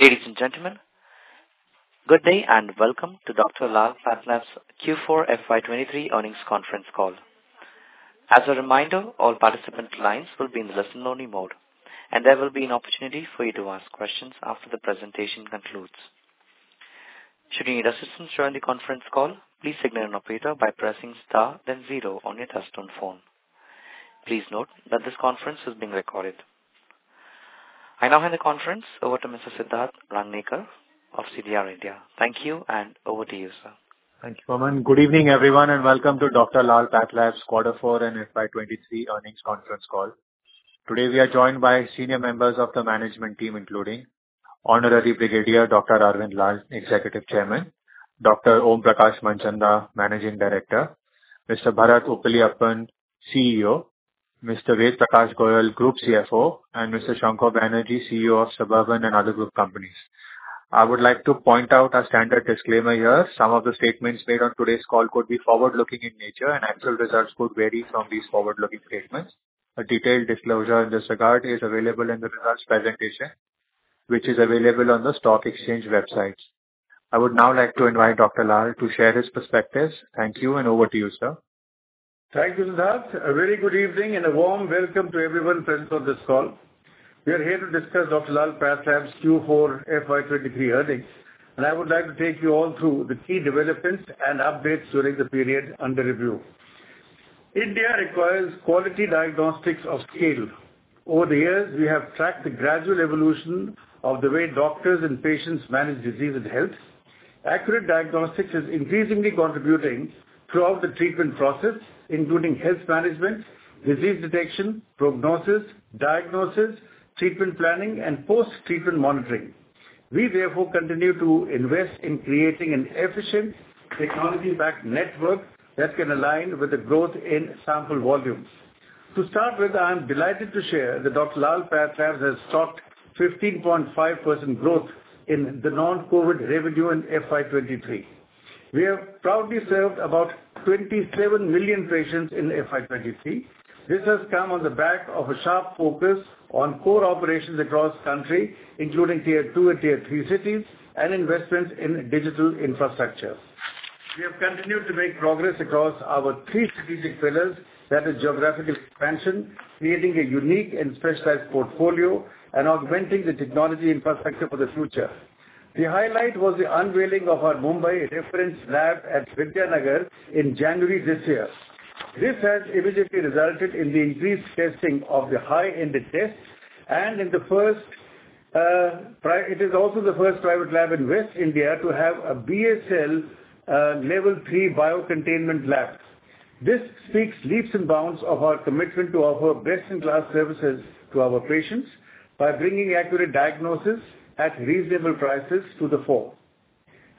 Ladies and gentlemen, good day and welcome to Dr. Lal PathLabs' Q4 FY 2023 earnings conference call. As a reminder, all participant lines will be in listen-only mode, and there will be an opportunity for you to ask questions after the presentation concludes. Should you need assistance during the conference call, please signal an operator by pressing star then 0 on your touch-tone phone. Please note that this conference is being recorded. I now hand the conference over to Mr. Siddharth Rangnekar of CDR India. Thank you, over to you, sir. Thank you, Roman. Good evening, everyone, welcome to Dr. Lal PathLabs's quarter four and FY 2023 earnings conference call. Today, we are joined by senior members of the management team, including Honorary Brigadier Dr. Arvind Lal, Executive Chairman, Dr. Om Prakash Manchanda, Managing Director, Mr. Bharath Uppiliappan, CEO, Mr. Ved Prakash Goel, Group CFO, and Mr. Shankha Banerjee, CEO of Suburban and other group companies. I would like to point out our standard disclaimer here. Some of the statements made on today's call could be forward-looking in nature and actual results could vary from these forward-looking statements. A detailed disclosure in this regard is available in the results presentation, which is available on the stock exchange websites. I would now like to invite Dr. Lal to share his perspectives. Thank you, over to you, sir. Thank you, Siddharth. A very good evening and a warm welcome to everyone present on this call. We are here to discuss Dr. Lal PathLabs' Q4 FY 2023 earnings. I would like to take you all through the key developments and updates during the period under review. India requires quality diagnostics of scale. Over the years, we have tracked the gradual evolution of the way doctors and patients manage disease and health. Accurate diagnostics is increasingly contributing throughout the treatment process, including health management, disease detection, prognosis, diagnosis, treatment planning, and post-treatment monitoring. We therefore continue to invest in creating an efficient technology-backed network that can align with the growth in sample volumes. To start with, I am delighted to share that Dr. Lal PathLabs has stocked 15.5% growth in the non-COVID revenue in FY 2023. We have proudly served about 27 million patients in FY 2023. This has come on the back of a sharp focus on core operations across country, including tier two and tier three cities and investments in digital infrastructure. We have continued to make progress across our three strategic pillars. That is geographical expansion, creating a unique and specialized portfolio, and augmenting the technology infrastructure for the future. The highlight was the unveiling of our Mumbai reference lab at Vidya Vihar in January this year. This has immediately resulted in the increased testing of the high-end tests, and it is also the first private lab in West India to have a BSL level 3 biocontainment lab. This speaks leaps and bounds of our commitment to offer best-in-class services to our patients by bringing accurate diagnosis at reasonable prices to the fore.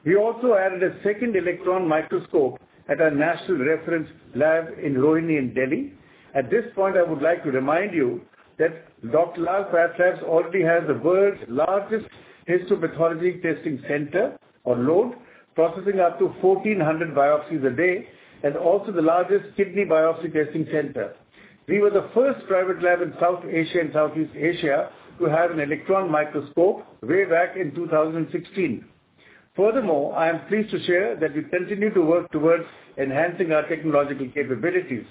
We also added a second electron microscope at our national reference lab in Rohini in Delhi. At this point, I would like to remind you that Dr. Lal PathLabs already has the world's largest histopathology testing center or load, processing up to 1,400 biopsies a day, and also the largest kidney biopsy testing center. We were the first private lab in South Asia and Southeast Asia to have an electron microscope way back in 2016. I am pleased to share that we continue to work towards enhancing our technological capabilities.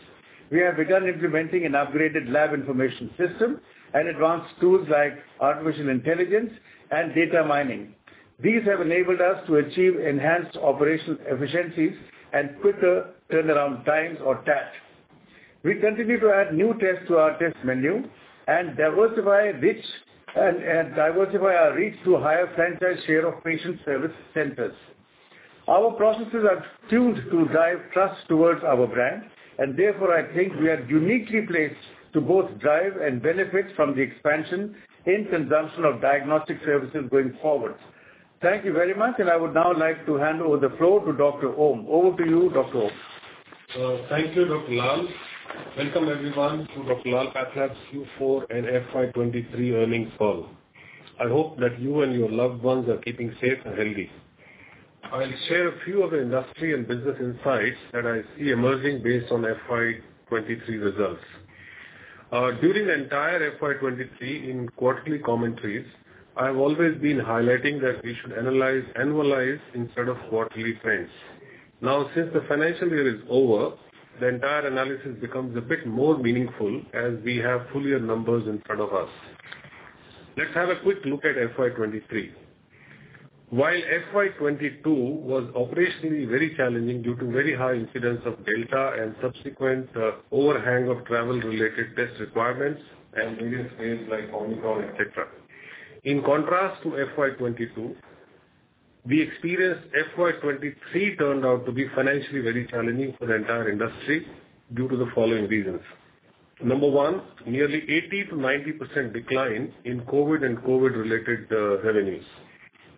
We have begun implementing an upgraded lab information system and advanced tools like artificial intelligence and data mining. These have enabled us to achieve enhanced operational efficiencies and quicker turnaround times or TAT. We continue to add new tests to our test menu and diversify reach, and diversify our reach to a higher franchise share of patient service centers. Our processes are tuned to drive trust towards our brand, and therefore, I think we are uniquely placed to both drive and benefit from the expansion in consumption of diagnostic services going forward. Thank you very much, and I would now like to hand over the floor to Dr. Om. Over to you, Dr. Om. Thank you, Dr. Lal. Welcome, everyone, to Dr. Lal PathLabs' Q4 and FY 2023 earnings call. I hope that you and your loved ones are keeping safe and healthy. I'll share a few of the industry and business insights that I see emerging based on FY 2023 results. During the entire FY 2023 in quarterly commentaries, I have always been highlighting that we should analyze annualize instead of quarterly trends. Since the financial year is over, the entire analysis becomes a bit more meaningful as we have full year numbers in front of us. Let's have a quick look at FY 2023. While FY 2022 was operationally very challenging due to very high incidence of Delta and subsequent overhang of travel-related test requirements and various waves like Omicron, et cetera. In contrast to FY 2022, we experienced FY 2023 turned out to be financially very challenging for the entire industry due to the following reasons. Number one, nearly 80%-90% decline in COVID and COVID-related revenues.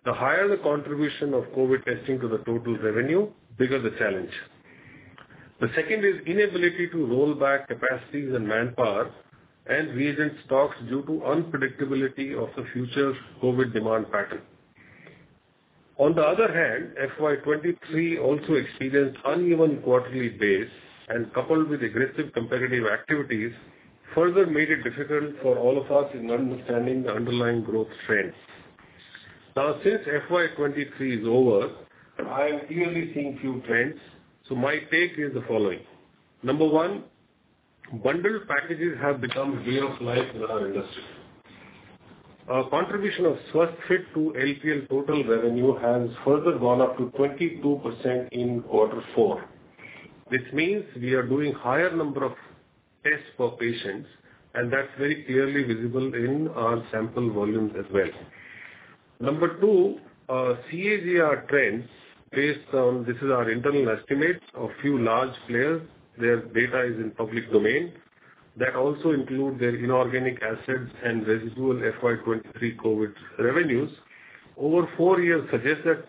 The higher the contribution of COVID testing to the total revenue, bigger the challenge. The second is inability to roll back capacities and manpower and reagent stocks due to unpredictability of the future COVID demand pattern. On the other hand, FY 2023 also experienced uneven quarterly base, and coupled with aggressive competitive activities, further made it difficult for all of us in understanding the underlying growth trends. Since FY 2023 is over, I am clearly seeing few trends, my take is the following. Number one, bundled packages have become way of life in our industry. Our contribution of SwasthFit to LPL total revenue has further gone up to 22% in Q4. We are doing higher number of tests per patients, and that's very clearly visible in our sample volumes as well. Number two, our CAGR trends based on, this is our internal estimates of few large players, their data is in public domain, that also include their inorganic assets and residual FY 2023 COVID revenues. Over four years suggest that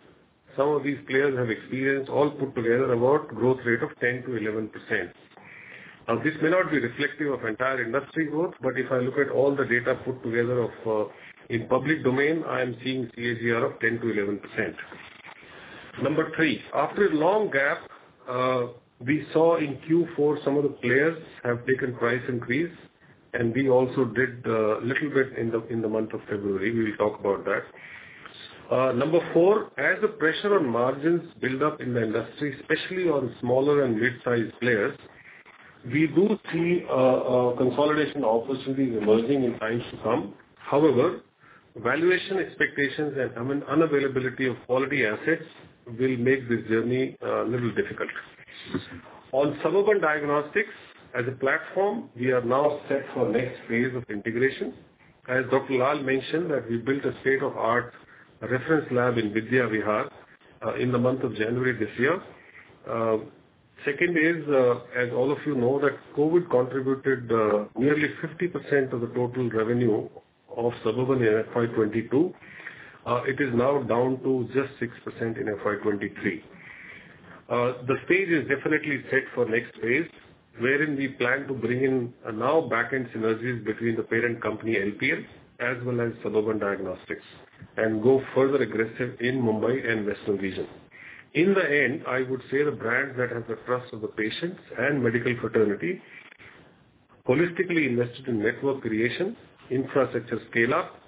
some of these players have experienced all put together about growth rate of 10%-11%. This may not be reflective of entire industry growth, but if I look at all the data put together of in public domain, I am seeing CAGR of 10%-11%. Number three, after a long gap, we saw in Q4 some of the players have taken price increase. We also did a little bit in the month of February. We will talk about that. Number four, as the pressure on margins build up in the industry, especially on smaller and mid-sized players, we do see consolidation opportunities emerging in times to come. However, valuation expectations and unavailability of quality assets will make this journey a little difficult. On Suburban Diagnostics as a platform, we are now set for next phase of integration. As Dr. Lal mentioned, that we built a state-of-art reference lab in Vidya Vihar in the month of January this year. Second is, as all of you know, that COVID contributed nearly 50% of the total revenue of Suburban in FY22. It is now down to just 6% in FY23. The stage is definitely set for next phase, wherein we plan to bring in now backend synergies between the parent company, LPL, as well as Suburban Diagnostics, and go further aggressive in Mumbai and Western region. In the end, I would say the brand that has the trust of the patients and medical fraternity, holistically invested in network creation, infrastructure scale-up,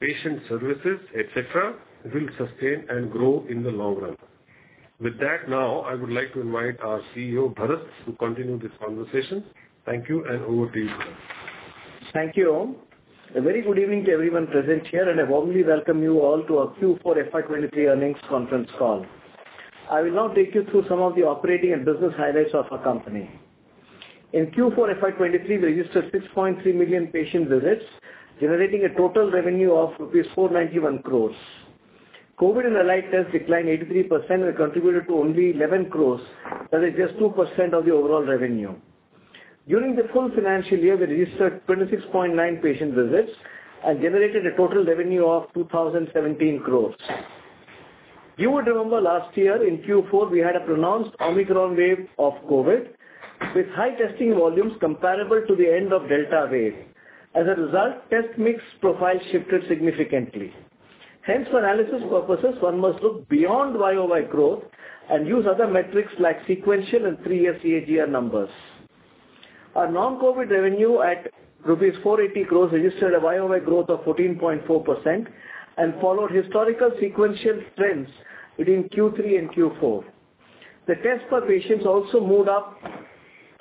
patient services, et cetera, will sustain and grow in the long run. With that now I would like to invite our CEO, Bharath, to continue this conversation. Thank you, and over to you, sir. Thank you, Om. A very good evening to everyone present here. I warmly welcome you all to our Q4 FY23 earnings conference call. I will now take you through some of the operating and business highlights of our company. In Q4 FY23, we registered 6.3 million patient visits, generating a total revenue of INR 491 crores. COVID and allied tests declined 83% and contributed to only 11 crores, that is just 2% of the overall revenue. During the full financial year, we registered 26.9 patient visits and generated a total revenue of 2,017 crores. You would remember last year in Q4, we had a pronounced Omicron wave of COVID, with high testing volumes comparable to the end of Delta wave. As a result, test mix profile shifted significantly. Hence, for analysis purposes, one must look beyond YOY growth and use other metrics like sequential and three-year CAGR numbers. Our non-COVID revenue at 480 crores rupees registered a YOY growth of 14.4% and followed historical sequential trends between Q3 and Q4. The tests per patients also moved up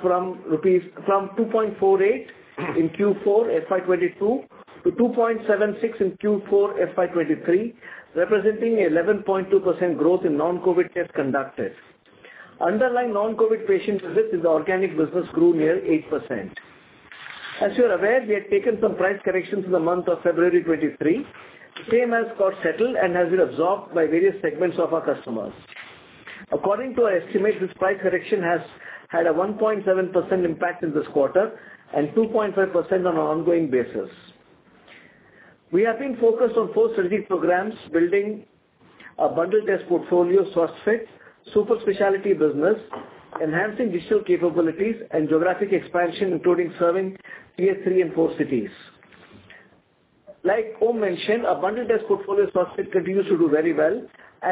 from 2.48 in Q4 FY22 to 2.76 in Q4 FY23, representing 11.2% growth in non-COVID tests conducted. Underlying non-COVID patient visits in the organic business grew near 8%. As you are aware, we had taken some price corrections in the month of February 2023. The same has got settled and has been absorbed by various segments of our customers. According to our estimate, this price correction has had a 1.7% impact in this quarter and 2.5% on an ongoing basis. We have been focused on four strategic programs: building a bundled test portfolio, SwasthFit; super specialty business; enhancing digital capabilities; and geographic expansion, including serving tier three and four cities. Like Om mentioned, our bundled test portfolio SwasthFit continues to do very well,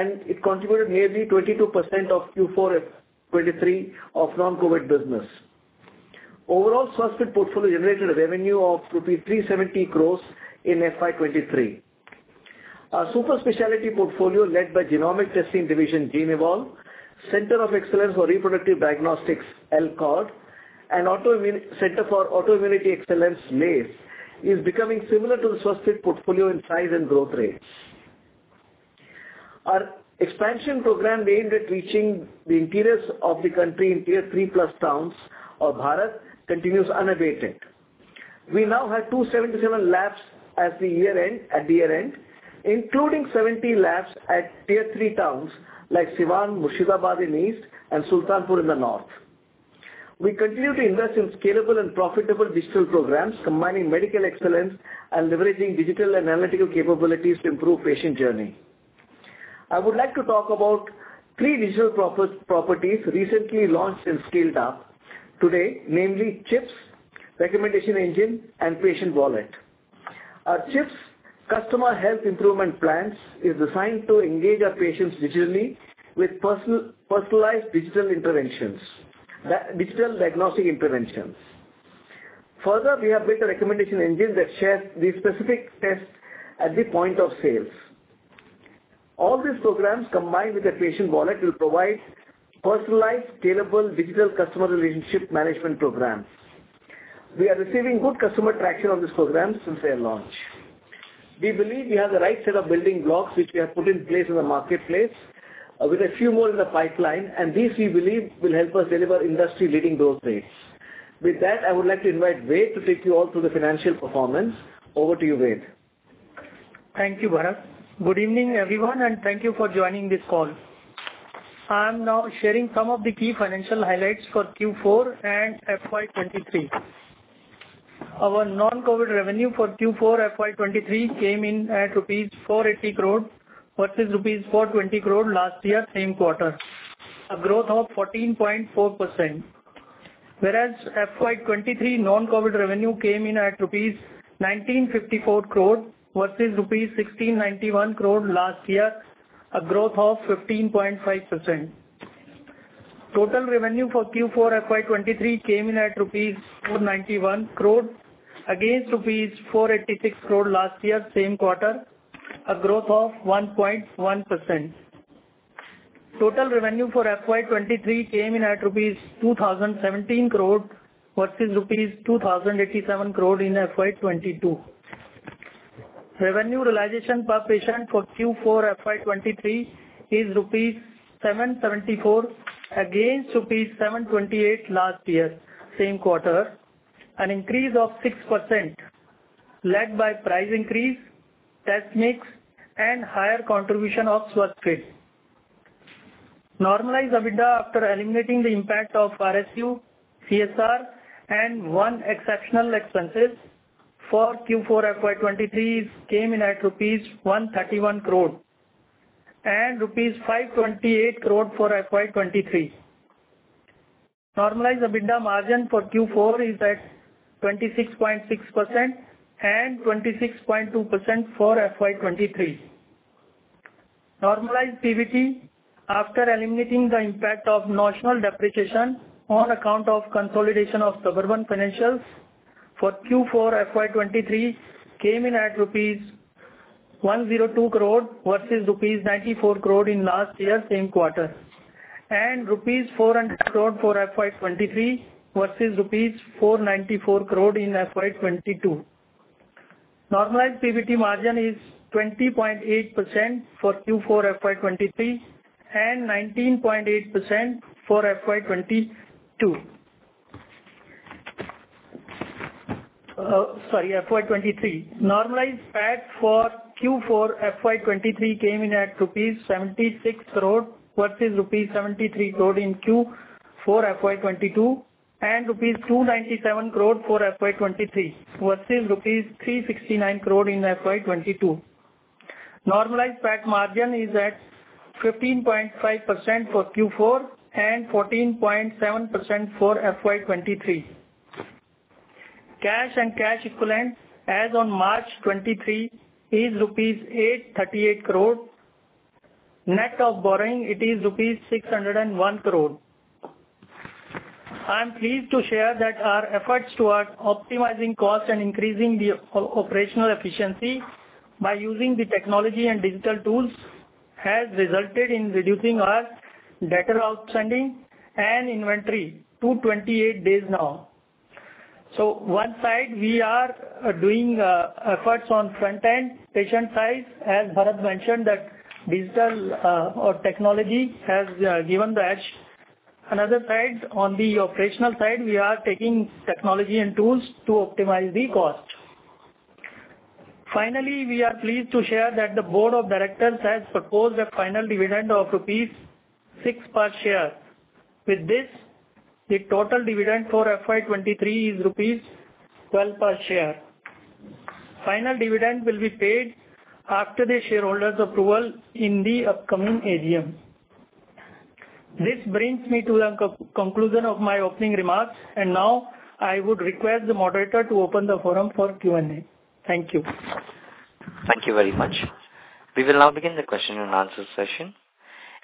and it contributed nearly 22% of Q4 FY 2023 of non-COVID business. Overall, SwasthFit portfolio generated a revenue of rupees 370 crores in FY 2023. Our super specialty portfolio led by genomic testing division, Genevolve, Center of Excellence for Reproductive Diagnostics, L-CoRD, and Center for Autoimmunity Excellence, L-ACE, is becoming similar to the SwasthFit portfolio in size and growth rates. Our expansion program aimed at reaching the interiors of the country in tier three plus towns of Bharat continues unabated. We now have 277 labs at the year end, including 70 labs at tier three towns like Siwan, Murshidabad in east, and Sultanpur in the north. We continue to invest in scalable and profitable digital programs, combining medical excellence and leveraging digital analytical capabilities to improve patient journey. I would like to talk about three digital properties recently launched and scaled up. Today, namely CHIPS, recommendation engine, and patient wallet. Our CHIPS, Customer Health Improvement Plans, is designed to engage our patients digitally with personalized digital interventions—digital diagnostic interventions. Further, we have built a recommendation engine that shares the specific tests at the point of sales. All these programs, combined with the patient wallet, will provide personalized, scalable digital customer relationship management programs. We are receiving good customer traction on these programs since their launch. We believe we have the right set of building blocks which we have put in place in the marketplace, with a few more in the pipeline, these we believe will help us deliver industry-leading growth rates. With that, I would like to invite Ved to take you all through the financial performance. Over to you, Ved. Thank you, Bharat. Good evening, everyone, and thank you for joining this call. I'm now sharing some of the key financial highlights for Q4 and FY 2023. Our non-COVID revenue for Q4 FY 2023 came in at INR 480 crore versus INR 420 crore last year same quarter, a growth of 14.4%. Whereas FY 2023 non-COVID revenue came in at INR 1,954 crore versus INR 1,691 crore last year, a growth of 15.5%. Total revenue for Q4 FY 2023 came in at rupees 491 crore against rupees 486 crore last year same quarter, a growth of 1.1%. Total revenue for FY 2023 came in at rupees 2,017 crore versus rupees 2,087 crore in FY 2022. Revenue realization per patient for Q4 FY23 is rupees 774 against rupees 728 last year same quarter, an increase of 6% led by price increase, test mix, and higher contribution of SwasthFit. Normalized EBITDA after eliminating the impact of RSU, CSR, and one exceptional expenses for Q4 FY23 came in at rupees 131 crore and rupees 528 crore for FY23. Normalized EBITDA margin for Q4 is at 26.6% and 26.2% for FY23. Normalized PBT after eliminating the impact of notional depreciation on account of consolidation of Suburban Financials for Q4 FY23 came in at rupees 102 crore versus rupees 94 crore in last year same quarter. Rupees 400 crore for FY23 versus rupees 494 crore in FY22. Normalized PBT margin is 20.8% for Q4 FY2023 and 19.8% for FY2022. sorry, FY2023. Normalized PAT for Q4 FY2023 came in at rupees 76 crore versus rupees 73 crore in Q4 FY2022. Rupees 297 crore for FY2023 versus INR 369 crore in FY2022. Normalized PAT margin is at 15.5% for Q4 and 14.7% for FY2023. Cash and cash equivalents as on March 2023 is rupees 838 crore. Net of borrowing, it is rupees 601 crore. I am pleased to share that our efforts towards optimizing cost and increasing the operational efficiency by using the technology and digital tools has resulted in reducing our debtor outstanding and inventory to 28 days now. One side we are doing efforts on front end patient side, as Bharath mentioned, that digital or technology has given the edge. Another side, on the operational side, we are taking technology and tools to optimize the cost. Finally, we are pleased to share that the board of directors has proposed a final dividend of rupees 6 per share. With this, the total dividend for FY 2023 is rupees 12 per share. Final dividend will be paid after the shareholders' approval in the upcoming AGM. This brings me to the conclusion of my opening remarks, and now I would request the moderator to open the forum for Q&A. Thank you. Thank you very much. We will now begin the question and answer session.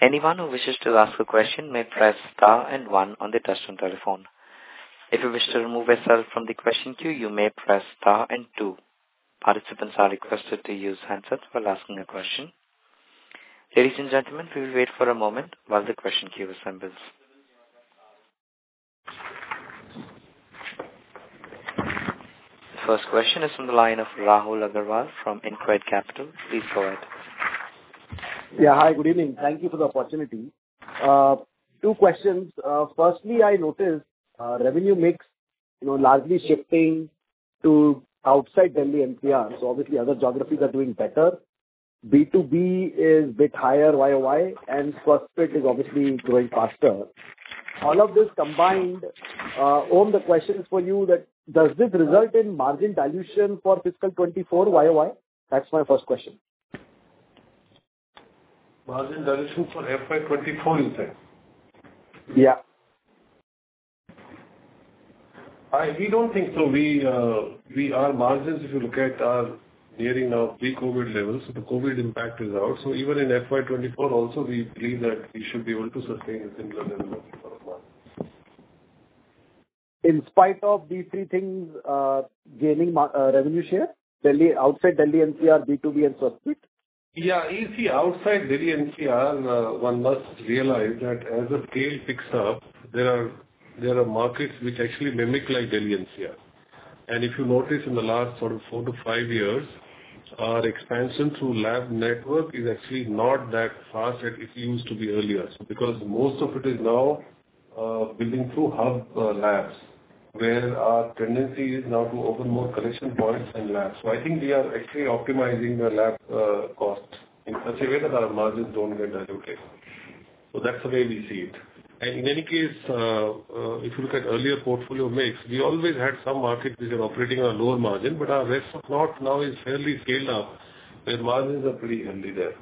Anyone who wishes to ask a question may press star and one on the touch tone telephone. If you wish to remove yourself from the question queue, you may press star and two. Participants are requested to use handsets while asking a question. Ladies and gentlemen, we will wait for a moment while the question queue assembles. The first question is from the line of Rahul Agarwal from InCred Capital. Please go ahead. Yeah. Hi, good evening. Thank you for the opportunity. Two questions. firstly, I noticed, revenue mix, you know, largely shifting to outside Delhi NCR, obviously other geographies are doing better. B2B is bit higher YOY, and SwasthFit is obviously growing faster. All of this combined, Om, the question is for you that does this result in margin dilution for fiscal 2024 YOY? That's my first question. Margin dilution for FY 2024, you said? Yeah. We don't think so. Our margins, if you look at, are nearing our pre-COVID levels. The COVID impact is out. Even in FY 2024 also, we believe that we should be able to sustain a similar level of margin. In spite of these three things, gaining revenue share, outside Delhi NCR, B2B and Suburban? Yeah. You see, outside Delhi NCR, one must realize that as the scale picks up, there are, there are markets which actually mimic like Delhi NCR. If you notice in the last sort of four to five years, our expansion through lab network is actually not that fast as it used to be earlier. Because most of it is now building through hub labs, where our tendency is now to open more collection points and labs. I think we are actually optimizing the lab costs in such a way that our margins don't get diluted. That's the way we see it. In any case, if you look at earlier portfolio mix, we always had some markets which are operating on lower margin, but our rest of lot now is fairly scaled up, where margins are pretty healthy there.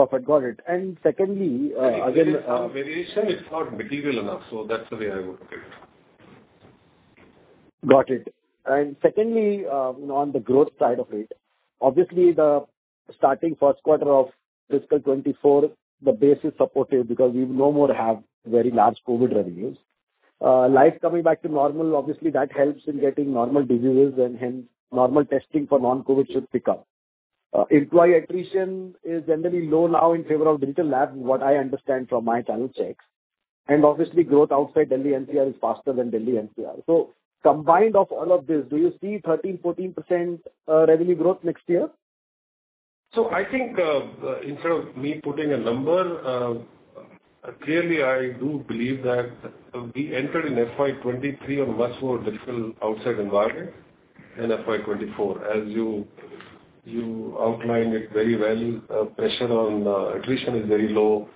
Perfect. Got it. Secondly, again. Variation is not material enough, so that's the way I would look at it. Got it. On the growth side of it, obviously the starting Q1 of fiscal 2024, the base is supportive because we no more have very large COVID revenues. Life coming back to normal, obviously that helps in getting normal diseases and hence normal testing for non-COVID should pick up. Employee attrition is generally low now in favor of digital lab, from what I understand from my channel checks. Growth outside Delhi NCR is faster than Delhi NCR. Combined of all of this, do you see 13%-14% revenue growth next year? I think, instead of me putting a number, clearly I do believe that we entered in FY 2023 on a much more difficult outside environment than FY 2024. As you outlined it very well, pressure on attrition is very low.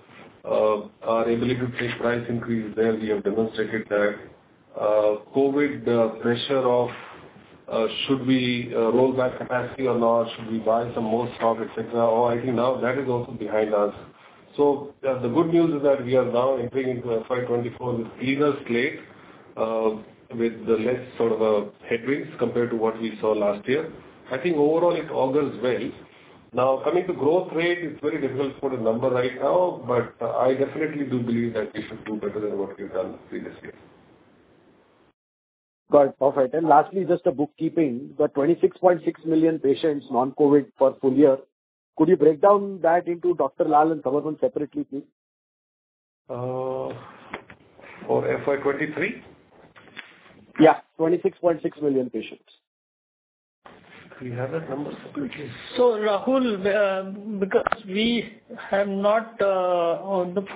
Our ability to take price increase there, we have demonstrated that. COVID pressure of, should we roll back capacity or not? Should we buy some more stock, et cetera? I think now that is also behind us. The good news is that we are now entering into FY 2024 with cleaner slate, with the less sort of, headwinds compared to what we saw last year. I think overall it augurs well. I mean, the growth rate is very difficult to put a number right now, but I definitely do believe that we should do better than what we've done previous year. Got it. Perfect. Lastly, just a bookkeeping. The 26.6 million patients, non-COVID, for full year, could you break down that into Dr. Lal and Suburban separately, please? For FY 23? Yeah. 26.6 million patients. Do you have that number separately? Rahul, because we have not, This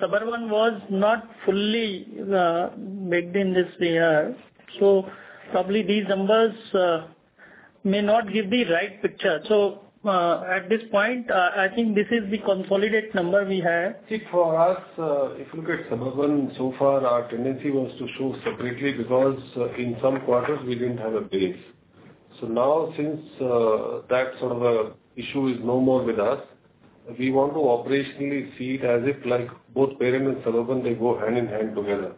Suburban was not fully baked in this year. Probably these numbers may not give the right picture. At this point, I think this is the consolidated number we have. For us, if you look at Suburban so far, our tendency was to show separately because in some quarters we didn't have a base. Now since that sort of issue is no more with us, we want to operationally see it as if like both parent and Suburban, they go hand in hand together.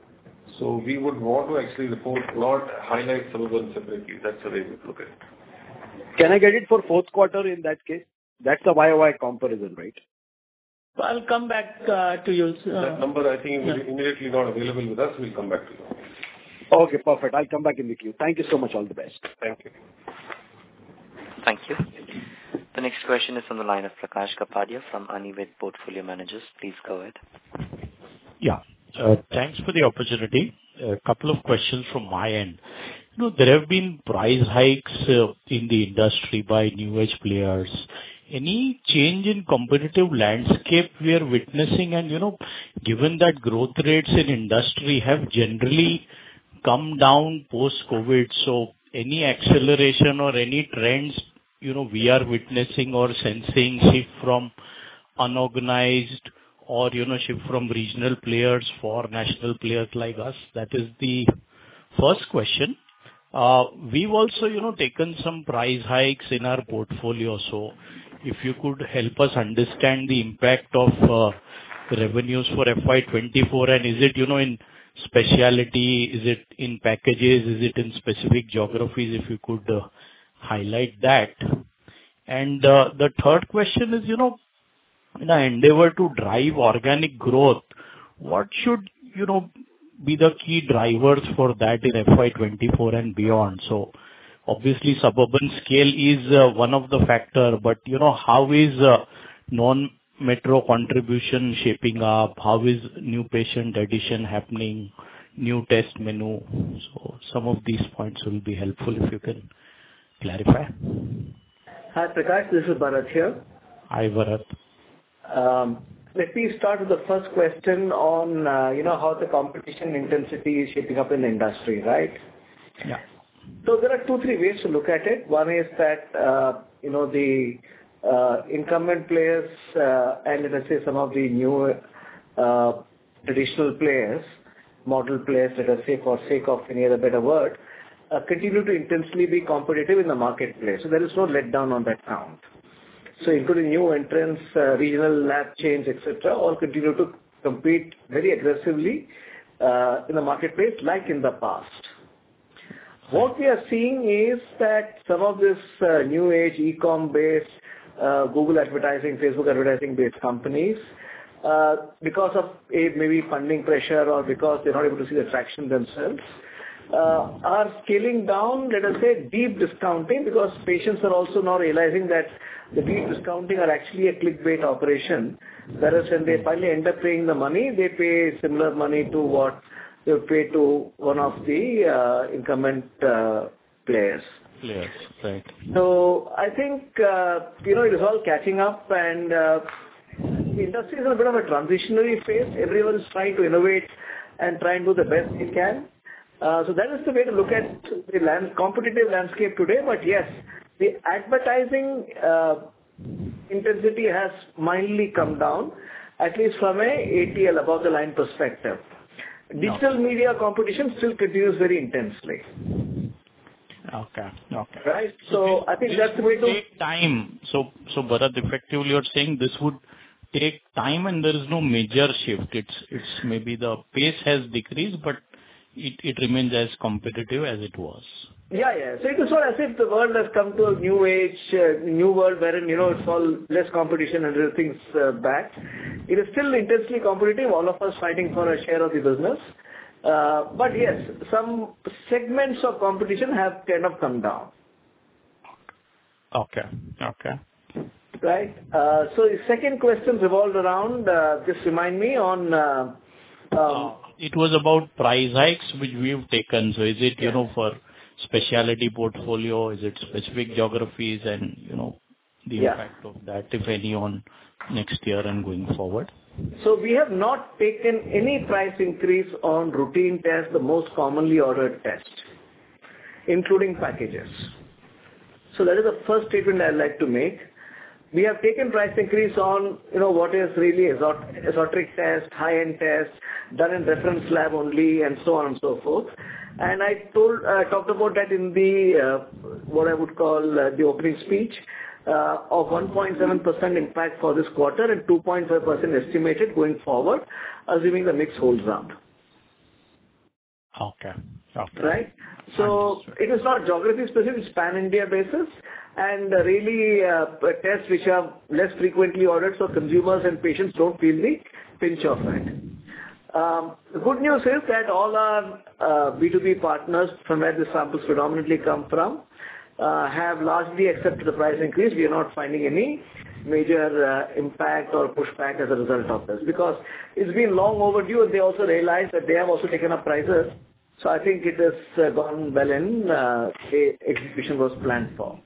We would want to actually report, not highlight Suburban separately. That's the way we look at it. Can I get it for Q4 in that case? That's the YOY comparison, right? I'll come back, to you, sir. That number I think is immediately not available with us. We'll come back to you. Okay, perfect. I'll come back and meet you. Thank you so much. All the best. Thank you. Thank you. The next question is from the line of Prakash Kapadia from Anived Portfolio Managers. Please go ahead. Yeah. Thanks for the opportunity. A couple of questions from my end. You know, there have been price hikes in the industry by new-age players. Any change in competitive landscape we are witnessing? Given that growth rates in industry have generally come down post-COVID, any acceleration or any trends, you know, we are witnessing or sensing, say from unorganized or, you know, shift from regional players for national players like us? That is the first question. We've also, you know, taken some price hikes in our portfolio. If you could help us understand the impact of revenues for FY 2024, and is it, you know, in speciality, is it in packages, is it in specific geographies? If you could highlight that. The third question is, you know, in our endeavor to drive organic growth, what should, you know, be the key drivers for that in FY 2024 and beyond? Obviously, Suburban scale is one of the factor, but, you know, how is non-metro contribution shaping up? How is new patient addition happening, new test menu? Some of these points will be helpful if you can clarify. Hi, Prakash, this is Bharath here. Hi, Bharath. Let me start with the first question on, you know, how the competition intensity is shaping up in the industry, right? Yeah. There are two, three ways to look at it. One is that, you know, the incumbent players, and let us say some of the newer, traditional players. Model players, let us say, for sake of any other better word, continue to intensely be competitive in the marketplace. There is no letdown on that count. Including new entrants, regional lab chains, et cetera, all continue to compete very aggressively in the marketplace like in the past. What we are seeing is that some of this new age e-com based, Google advertising, Facebook advertising-based companies, because of, A, maybe funding pressure or because they're not able to see the traction themselves, are scaling down, let us say, deep discounting because patients are also now realizing that the deep discounting are actually a clickbait operation. That is when they finally end up paying the money, they pay similar money to what they would pay to one of the incumbent players. Players. Right. I think, you know, it is all catching up and industry is in a bit of a transitionary phase. Everyone's trying to innovate and try and do the best they can. That is the way to look at the competitive landscape today. Yes, the advertising intensity has mildly come down, at least from a ATL above the line perspective. Okay. Digital media competition still continues very intensely. Okay. Okay. Right. I think that's the way to. This will take time. Bharath, effectively, you're saying this would take time, and there is no major shift. It's maybe the pace has decreased, but it remains as competitive as it was. Yeah, yeah. It is sort of as if the world has come to a new age, new world wherein, you know, it's all less competition and everything's back. It is still intensely competitive, all of us fighting for a share of the business. Yes, some segments of competition have kind of come down. Okay. Okay. Right. The second question revolved around, just remind me on. It was about price hikes which we've taken. Is it, you know, for specialty portfolio? Is it specific geographies? Yeah. the impact of that, if any, on next year and going forward. We have not taken any price increase on routine tests, the most commonly ordered tests, including packages. That is the first statement I'd like to make. We have taken price increase on, you know, what is really exotic tests, high-end tests done in reference lab only and so on and so forth. I talked about that in the what I would call the opening speech of 1.7% impact for this quarter and 2.5% estimated going forward, assuming the mix holds up. Okay. Okay. Right. Understood. It is not geography specific, it's pan-India basis. Really, tests which are less frequently ordered, so consumers and patients don't feel the pinch of that. The good news is that all our B2B partners from where the samples predominantly come from, have largely accepted the price increase. We are not finding any major impact or pushback as a result of this. It's been long overdue, and they also realize that they have also taken up prices, so I think it has gone well in the execution was planned for.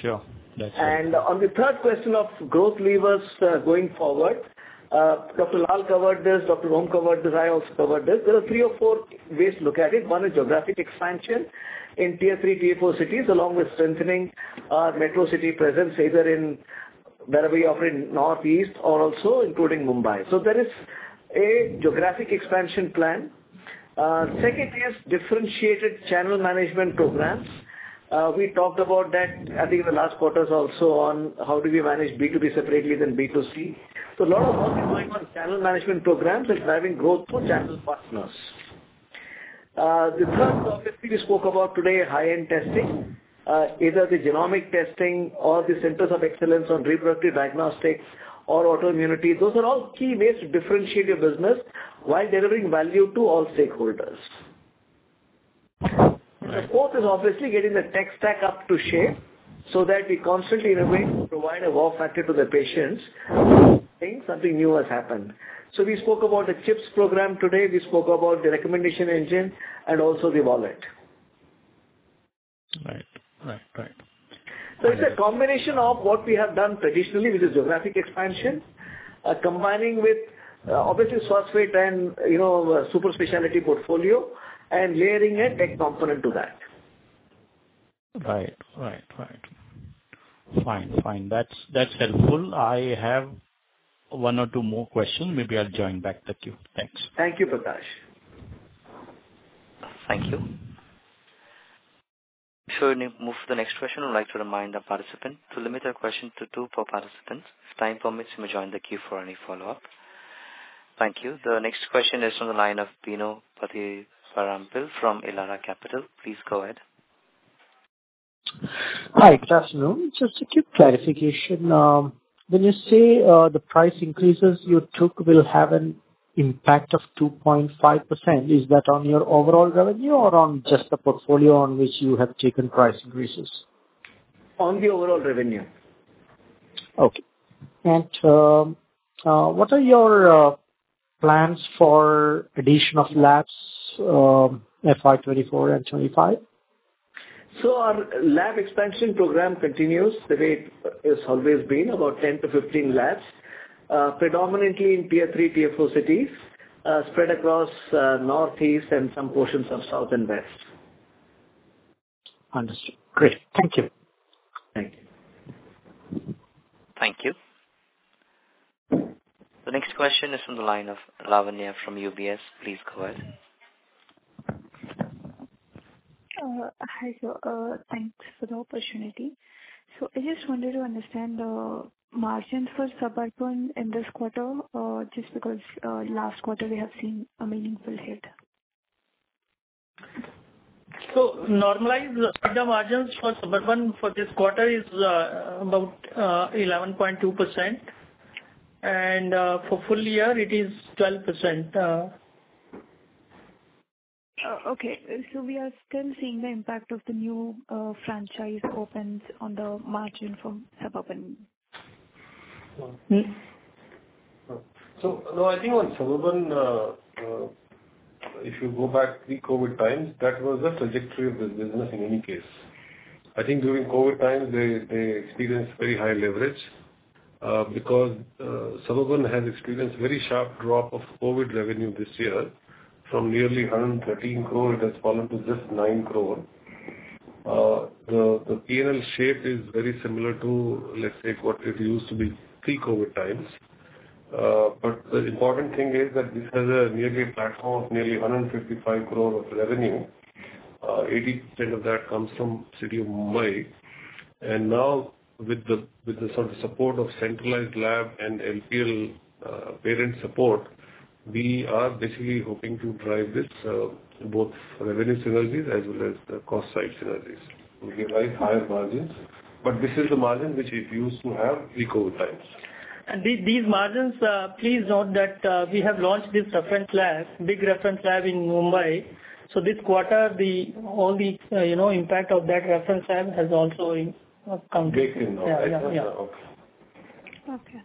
Sure. That's it. On the third question of growth levers, going forward, Dr. Lal covered this, Dr. Om covered this, I also covered this. There are three or four ways to look at it. One is geographic expansion in tier three, tier four cities, along with strengthening our metro city presence, either in where we operate in northeast or also including Mumbai. There is a geographic expansion plan. Second is differentiated channel management programs. We talked about that, I think, in the last quarters also on how do we manage B2B separately than B2C. A lot of work is going on channel management programs and driving growth through channel partners. The third obviously we spoke about today, high-end testing, either the genomic testing or the centers of excellence on reproductive diagnostics or autoimmunity. Those are all key ways to differentiate your business while delivering value to all stakeholders. The fourth is obviously getting the tech stack up to shape so that we constantly innovate to provide a wow factor to the patients, saying something new has happened. We spoke about the CHIPS program today, we spoke about the recommendation engine and also the wallet. Right. Right. Right. It's a combination of what we have done traditionally, which is geographic expansion, combining with, obviously source weight and, you know, super specialty portfolio and layering a tech component to that. Right. Right. Right. Fine. Fine. That's helpful. I have one or two more questions. Maybe I'll join back the queue. Thanks. Thank you, Prakash. Thank you. Before we move to the next question, I'd like to remind our participant to limit their question to two per participants. If time permits, you may join the queue for any follow-up. Thank you. The next question is from the line of Bino Pathiparampil from Elara Capital. Please go ahead. Hi. Good afternoon. Just a quick clarification. When you say the price increases you took will have an impact of 2.5%, is that on your overall revenue or on just the portfolio on which you have taken price increases? On the overall revenue. Okay. What are your plans for addition of labs, FY 24 and 25? Our lab expansion program continues. The rate has always been about 10-15 labs, predominantly in tier three, tier four cities, spread across northeast and some portions of south and west. Understood. Great. Thank you. Thank you. The next question is from the line of Lavanya from UBS. Please go ahead. Hi. Thanks for the opportunity. I just wanted to understand the margins for Suburban in this quarter, just because last quarter we have seen a meaningful hit. Normalized EBITDA margins for Suburban for this quarter is about 11.2%. For full year it is 12%. Oh, okay. We are still seeing the impact of the new franchise opens on the margin from Suburban. No, I think on Suburban, if you go back pre-COVID times, that was the trajectory of the business in any case. I think during COVID times they experienced very high leverage because Suburban has experienced very sharp drop of COVID revenue this year. From nearly 113 crore, it has fallen to just 9 crore. The PNL shape is very similar to, let's say, what it used to be pre-COVID times. The important thing is that this has a yearly platform of nearly 155 crore of revenue. 80% of that comes from city of Mumbai. Now with the sort of support of centralized lab and LPL parent support, we are basically hoping to drive this both revenue synergies as well as the cost side synergies. We realize higher margins, but this is the margin which it used to have pre-COVID times. These margins, please note that, we have launched this reference lab, big reference lab in Mumbai. This quarter, all the, you know, impact of that reference lab has also in. Baked in now. Yeah, yeah. Okay.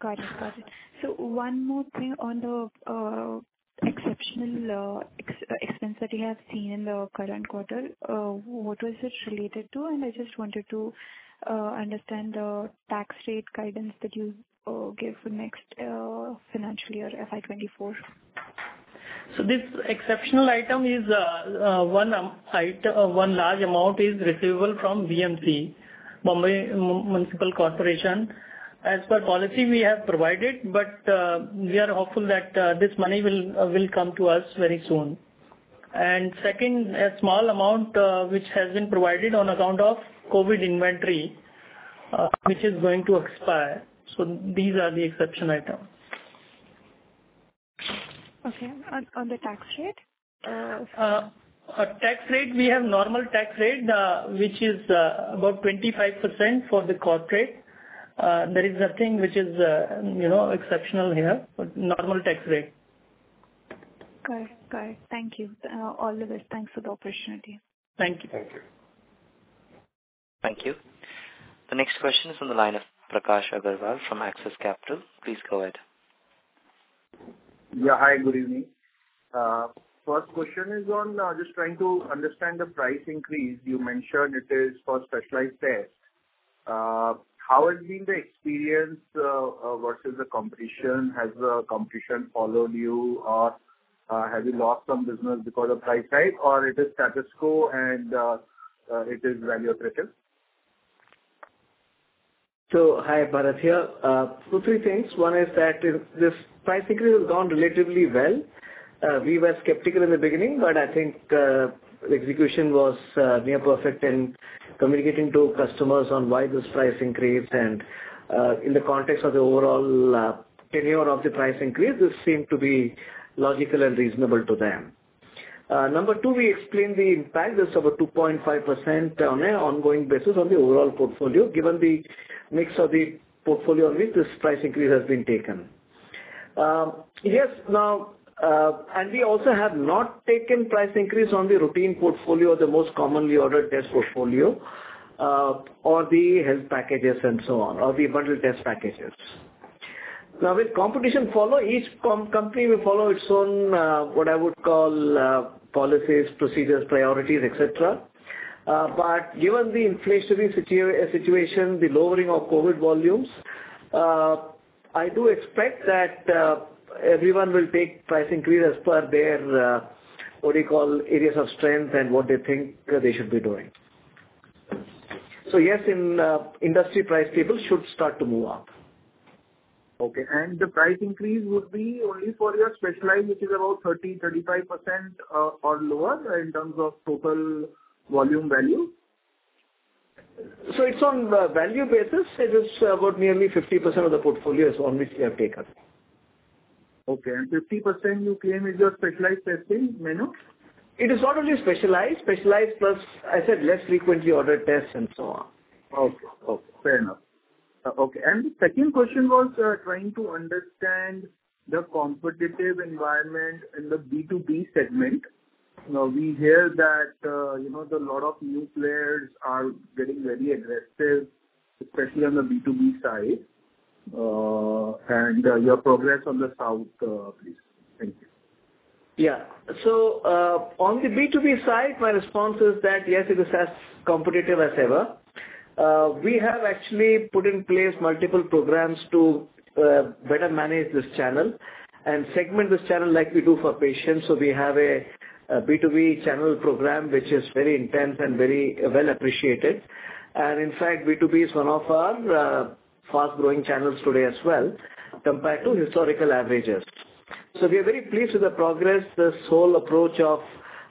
Got it, got it. One more thing on the exceptional expense that you have seen in the current quarter. What was this related to? I just wanted to understand the tax rate guidance that you give for next financial year, FY 2024. This exceptional item is one item, one large amount is receivable from BMC, Mumbai Municipal Corporation. As per policy we have provided, we are hopeful that this money will come to us very soon. Second, a small amount which has been provided on account of COVID inventory, which is going to expire. These are the exception items. Okay. On the tax rate. Tax rate, we have normal tax rate, which is about 25% for the corporate. There is nothing which is, you know, exceptional here. Normal tax rate. Got it. Thank you. All the best. Thanks for the opportunity. Thank you. Thank you. Thank you. The next question is from the line of Prakash Agarwal from Axis Capital. Please go ahead. Yeah. Hi, good evening. First question is on, just trying to understand the price increase. You mentioned it is for specialized tests. How has been the experience versus the competition? Has the competition followed you, or have you lost some business because of price hike or it is status quo and it is value accretion? Hi, Bharath here. two, three things. One is that this price increase has gone relatively well. We were skeptical in the beginning, but I think the execution was near perfect in communicating to customers on why this price increased. In the context of the overall tenure of the price increase, this seemed to be logical and reasonable to them. Number two, we explained the impact is over 2.5% on an ongoing basis on the overall portfolio. Given the mix of the portfolio on which this price increase has been taken. Yes, now, we also have not taken price increase on the routine portfolio or the most commonly ordered test portfolio, or the health packages and so on, or the bundled test packages. Now, with competition follow, each company will follow its own, what I would call, policies, procedures, priorities, et cetera. Given the inflationary situation, the lowering of COVID volumes, I do expect that everyone will take price increase as per their, what do you call, areas of strength and what they think they should be doing. Yes, in industry price table should start to move up. Okay. The price increase would be only for your specialized, which is about 30%-35%, or lower in terms of total volume value? It's on value basis. It is about nearly 50% of the portfolio is on which we have taken. Okay. 50% you claim is your specialized testing menu? It is not only specialized. Specialized plus, I said less frequently ordered tests and so on. Okay. Okay. Fair enough. Okay. The second question was, trying to understand the competitive environment in the B2B segment. We hear that, you know, the lot of new players are getting very aggressive, especially on the B2B side. Your progress on the south, please. Thank you. On the B2B side, my response is that, yes, it is as competitive as ever. We have actually put in place multiple programs to better manage this channel and segment this channel like we do for patients. We have a B2B channel program which is very intense and very well appreciated. In fact, B2B is one of our fast-growing channels today as well compared to historical averages. We are very pleased with the progress, this whole approach of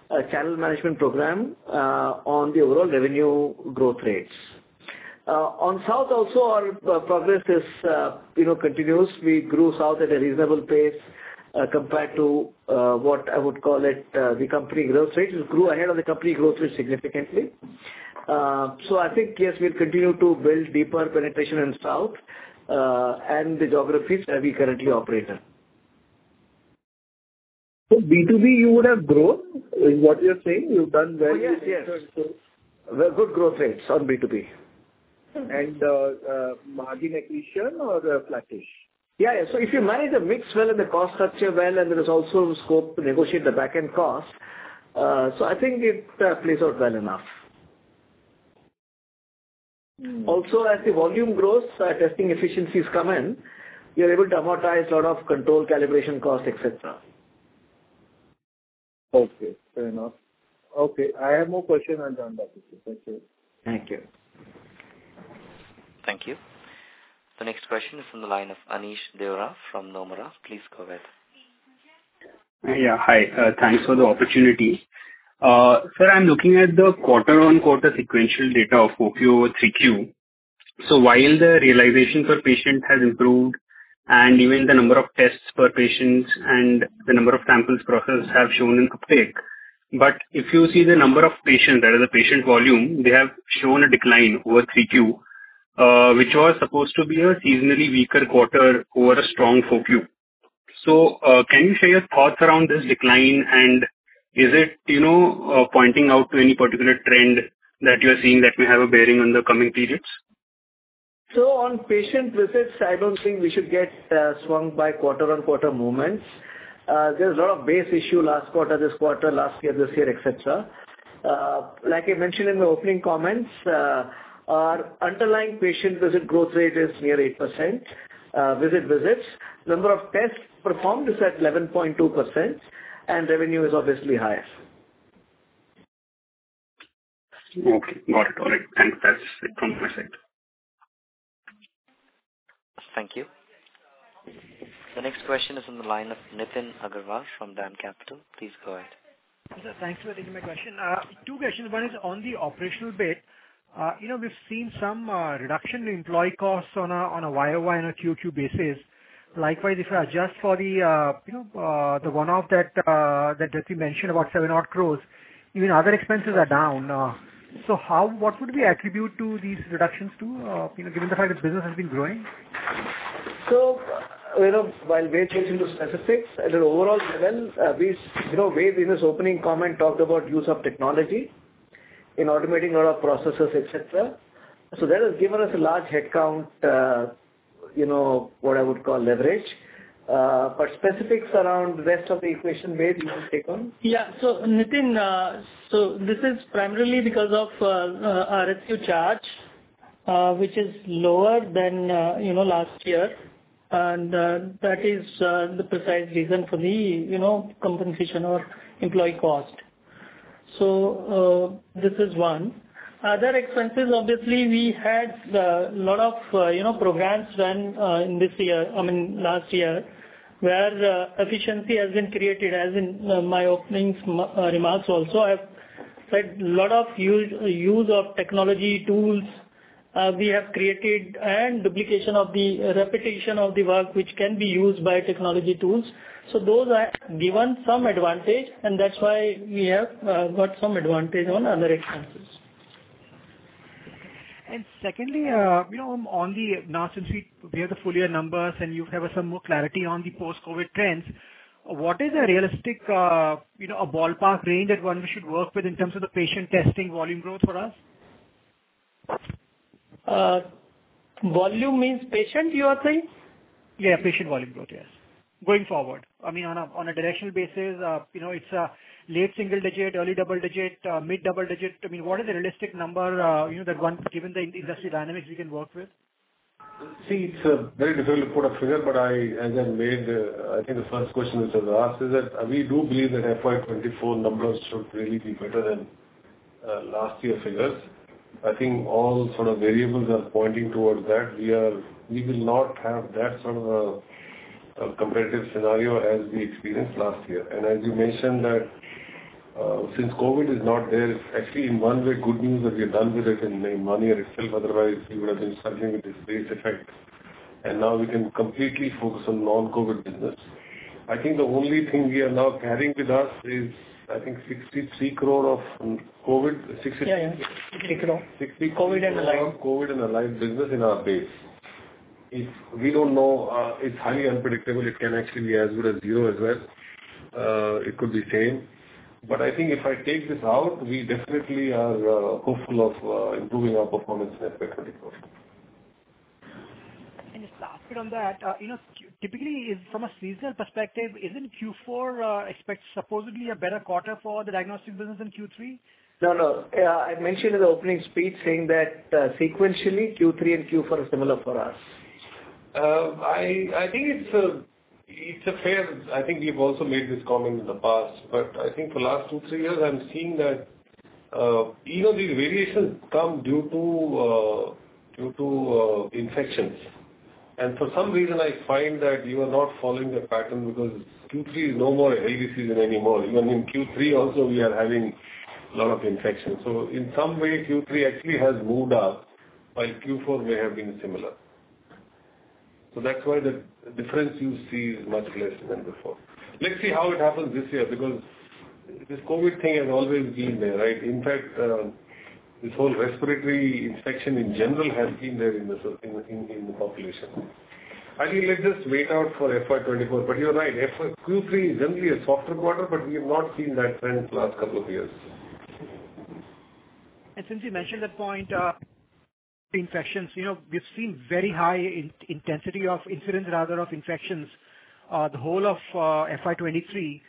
a channel management program, on the overall revenue growth rates. On South also our progress is, you know, continuous. We grew South at a reasonable pace, compared to what I would call it, the company growth rate. It grew ahead of the company growth rate significantly. I think, yes, we'll continue to build deeper penetration in South and the geographies that we currently operate in. B2B you would have growth, is what you're saying. You've done very good. Yes. We have good growth rates on B2B. Margin accretion or flattish? Yeah, yeah. If you manage the mix well and the cost structure well, and there is also scope to negotiate the back-end cost, I think it plays out well enough. Also, as the volume grows, our testing efficiencies come in. We are able to amortize a lot of control calibration costs, et cetera. Okay, fair enough. Okay. I have no question. I'm done, Dr. Sir. Thank you. Thank you. Thank you. The next question is from the line of Aneesh Deora from Nomura. Please go ahead. Hi. Thanks for the opportunity. Sir, I'm looking at the quarter-on-quarter sequential data of Q4 over Q3. While the realization per patient has improved, and even the number of tests per patients and the number of samples processed have shown an uptick. If you see the number of patients, that is the patient volume, they have shown a decline over Q3, which was supposed to be a seasonally weaker quarter over a strong Q4. Can you share your thoughts around this decline? Is it, you know, pointing out to any particular trend that you are seeing that may have a bearing on the coming periods? On patient visits, I don't think we should get swung by quarter-on-quarter movements. There's a lot of base issue last quarter, this quarter, last year, this year, et cetera. Like I mentioned in my opening comments, our underlying patient visit growth rate is near 8% visits. Number of tests performed is at 11.2%. Revenue is obviously highest. Okay. Got it. All right. That's it from my side. Thank you. The next question is on the line of Nitin Agarwal from DAM Capital. Please go ahead. Sir, thanks for taking my question. Two questions. One is on the operational bit. you know, we've seen some reduction in employee costs on a YOY and a QOQ basis. Likewise, if I adjust for the, you know, the one-off that Jassy mentioned about 7 odd crores, even other expenses are down. What would we attribute to these reductions to, you know, given the fact that business has been growing? You know, while Ved gets into specifics, at an overall level, you know, Ved, in his opening comment, talked about use of technology in automating a lot of processes, et cetera. That has given us a large headcount, you know, what I would call leverage. Specifics around the rest of the equation, Ved, you want to take on? Nitin, this is primarily because of our restructuring costs, which is lower than, you know, last year. That is the precise reason for the, you know, compensation or employee cost. This is one. Other expenses, obviously, we had lot of, you know, programs run in this year, I mean, last year where the efficiency has been created. As in my openings remarks also, I've said lot of use of technology tools, we have created and duplication of the repetition of the work which can be used by technology tools. Those are given some advantage, and that's why we have got some advantage on other expenses. Secondly, you know, Now since we have the full year numbers and you have some more clarity on the post-COVID trends, what is a realistic, you know, a ballpark range that one we should work with in terms of the patient testing volume growth for us? Volume means patient, you are saying? Yeah, patient volume growth. Yes. Going forward. I mean on a, on a directional basis, you know, it's late single digit, early double digit, mid double digit. I mean, what is the realistic number, you know, that one given the industry dynamics we can work with? See, it's very difficult to put a figure, but I think the first question which was asked is that we do believe that FY 2024 numbers should really be better than last year figures. I think all sort of variables are pointing towards that. We will not have that sort of a competitive scenario as we experienced last year. As you mentioned that, since COVID is not there, it's actually in one way good news that we are done with it and made money out itself. Otherwise, we would have been struggling with this base effect. Now we can completely focus on non-COVID business. I think the only thing we are now carrying with us is I think 63 crore of COVID. Yeah, yeah. 63 crore. COVID and allied. INR 63 crore COVID and allied business in our base. We don't know, it's highly unpredictable. It can actually be as good as zero as well. It could be same. I think if I take this out, we definitely are hopeful of improving our performance in FY 2024. Just last bit on that. you know, Typically, from a seasonal perspective, isn't Q4, expect supposedly a better quarter for the diagnostic business than Q3? No, no. Yeah, I mentioned in the opening speech saying that, sequentially Q3 and Q4 are similar for us. I think it's a fair... I think we've also made this comment in the past. I think for the last two, three years, I'm seeing that even the variations come due to due to infections. For some reason, I find that you are not following the pattern because Q3 is no more a season anymore. Even in Q3 also we are having a lot of infections. In some way, Q3 actually has moved up, while Q4 may have been similar. That's why the difference you see is much less than before. Let's see how it happens this year, because this COVID thing has always been there, right? In fact, this whole respiratory infection in general has been there in the population. I think let's just wait out for FY 2024. You're right, FY Q3 is generally a softer quarter, but we have not seen that trend for the last couple of years. Since you mentioned that point, infections, you know, we've seen very high in-intensity of incidents rather of infections, the whole of FY 23,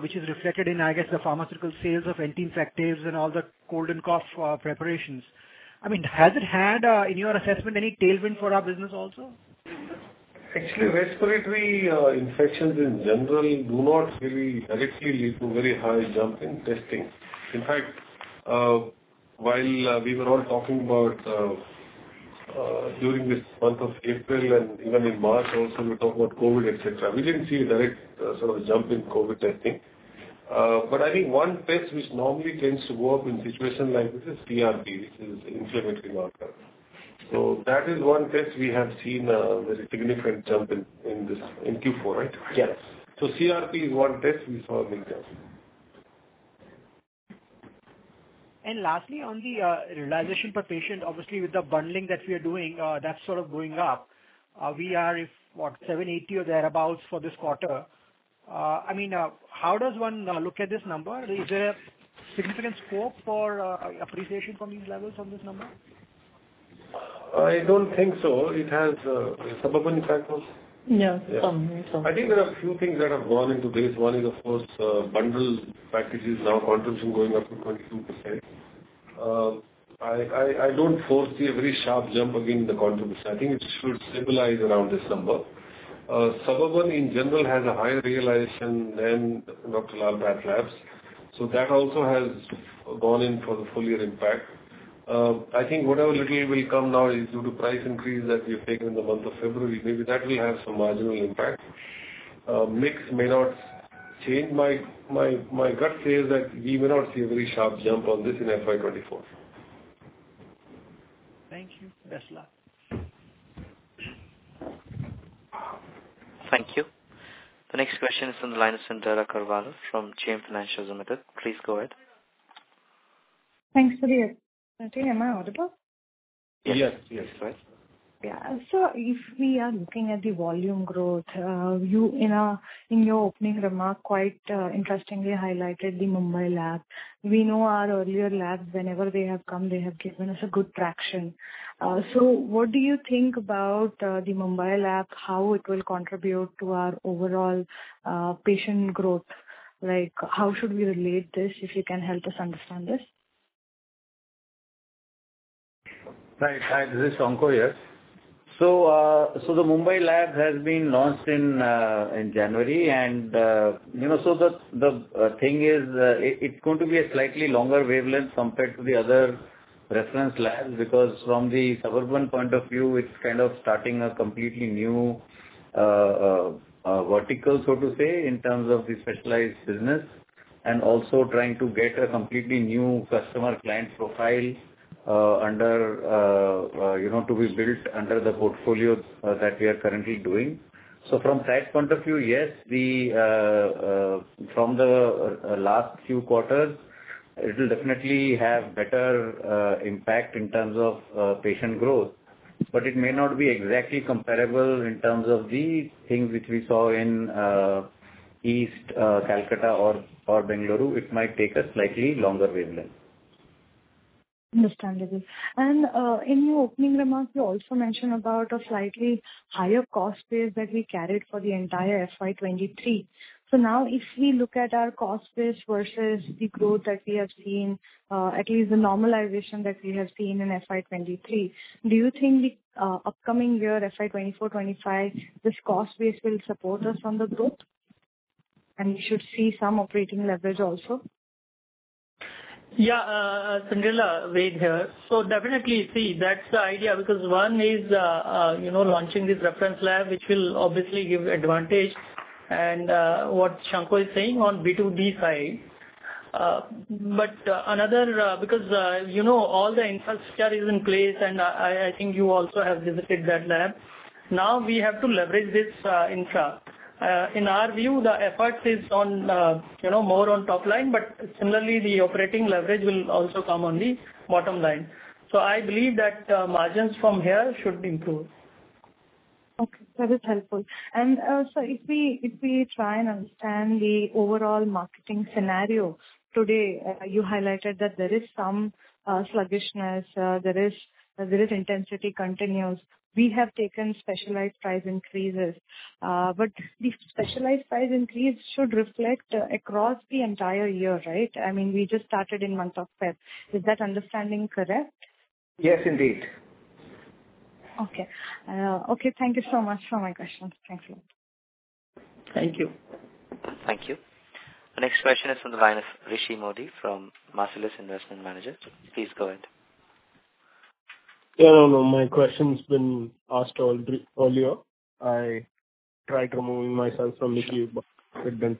which is reflected in, I guess, the pharmaceutical sales of anti-infectives and all the cold and cough preparations. I mean, has it had, in your assessment, any tailwind for our business also? Respiratory infections in general do not really directly lead to very high jump in testing. While we were all talking about during this month of April and even in March also, we talk about COVID, et cetera, we didn't see a direct sort of jump in COVID testing. I think one test which normally tends to work in situations like this is CRP, which is inflammatory marker. That is one test we have seen a very significant jump in this, in Q4, right? Yes. CRP is one test we saw a big jump. Lastly, on the realization per patient, obviously with the bundling that we are doing, that's sort of going up. We are if, what, 780 or thereabout for this quarter. I mean, how does one look at this number? Is there significant scope for appreciation from these levels on this number? I don't think so. It has Suburban factors. Yeah. Oh, sorry. I think there are a few things that have gone into this. One is, of course, bundle packages now contribution going up to 22%. I don't foresee a very sharp jump again in the contribution. I think it should stabilize around this number. Suburban in general has a higher realization than Dr. Lal PathLabs, so that also has gone in for the full year impact. I think whatever little will come now is due to price increase that we have taken in the month of February. Maybe that will have some marginal impact. Mix may not change. My gut says that we will not see a very sharp jump on this in FY 2024. Thank you. Best luck. Thank you. The next question is from the line of Sameer Baisiwala from JM Financials Limited. Please go ahead. Thanks, Sudir. Am I audible? Yes. Yes. Right. Yeah. If we are looking at the volume growth, you in your opening remark, quite interestingly highlighted the Mumbai lab. We know our earlier labs, whenever they have come, they have given us a good traction. What do you think about the Mumbai lab, how it will contribute to our overall patient growth? Like, how should we relate this, if you can help us understand this? Right. Hi, this is Shankha here. The Mumbai lab has been launched in January. You know, the thing is, it's going to be a slightly longer wavelength compared to the other reference labs. Because from the Suburban point of view, it's kind of starting a completely new vertical, so to say, in terms of the specialized business, and also trying to get a completely new customer client profile, you know, to be built under the portfolio that we are currently doing. From that point of view, yes, we from the last few quarters, it will definitely have better impact in terms of patient growth. It may not be exactly comparable in terms of the things which we saw in, east, Calcutta or Bengaluru. It might take a slightly longer wavelength. Understandable. In your opening remarks, you also mentioned about a slightly higher cost base that we carried for the entire FY 23. Now if we look at our cost base versus the growth that we have seen, at least the normalization that we have seen in FY 23, do you think the upcoming year, FY 24/25, this cost base will support us on the growth? We should see some operating leverage also? Yeah. Sameer, Ved here. Definitely, see, that's the idea because one is, you know, launching this reference lab, which will obviously give advantage and what Shankha is saying on B2B side. Another because, you know, all the infrastructure is in place, and I think you also have visited that lab. Now we have to leverage this infra. In our view, the effort is on, you know, more on top line, but similarly, the operating leverage will also come on the bottom line. I believe that margins from here should improve. Okay, that is helpful. If we try and understand the overall marketing scenario today, you highlighted that there is some sluggishness, intensity continues. We have taken specialized price increases. The specialized price increase should reflect across the entire year, right? I mean, we just started in month of Feb. Is that understanding correct? Yes, indeed. Okay. Okay. Thank you so much for my questions. Thanks a lot. Thank you. Thank you. The next question is from the line of Rishi Modi from Marcellus Investment Managers. Please go ahead. No, my question's been asked earlier. I tried removing myself from the queue, but it didn't.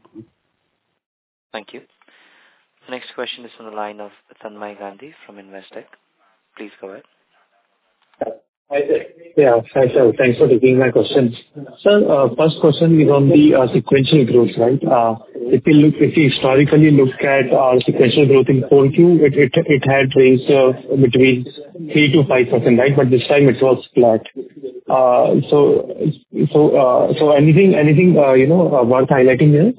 Thank you. The next question is from the line of Tanmay Gandhi from Investec. Please go ahead. Yeah. Hi, sir. Thanks for taking my questions. Sir, first question is on the sequential growth, right? If you historically look at sequential growth in Q4, it had raised between 3%-5%, right? This time it was flat. So anything, you know, worth highlighting there?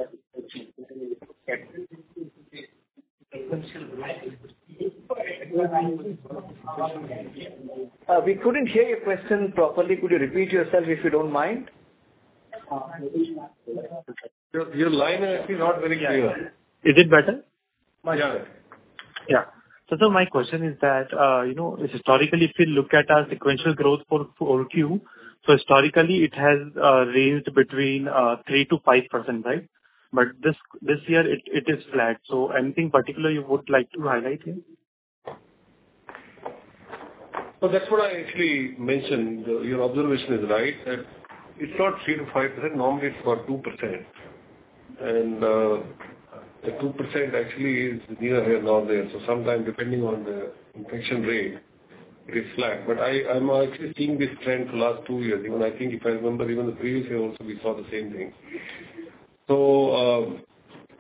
We couldn't hear your question properly. Could you repeat yourself, if you don't mind? Your line is actually not very clear. Is it better? Much better. My question is that, you know, historically if you look at our sequential growth for Q4, historically it has raised between 3%-5%, right? But this year it is flat. Anything particular you would like to highlight here? That's what I actually mentioned. Your observation is right, that it's not 3%-5%. Normally it's about 2%. The 2% actually is neither here nor there. Sometimes, depending on the infection rate, it is flat. I'm actually seeing this trend for last two years. Even I think if I remember even the previous year also we saw the same thing.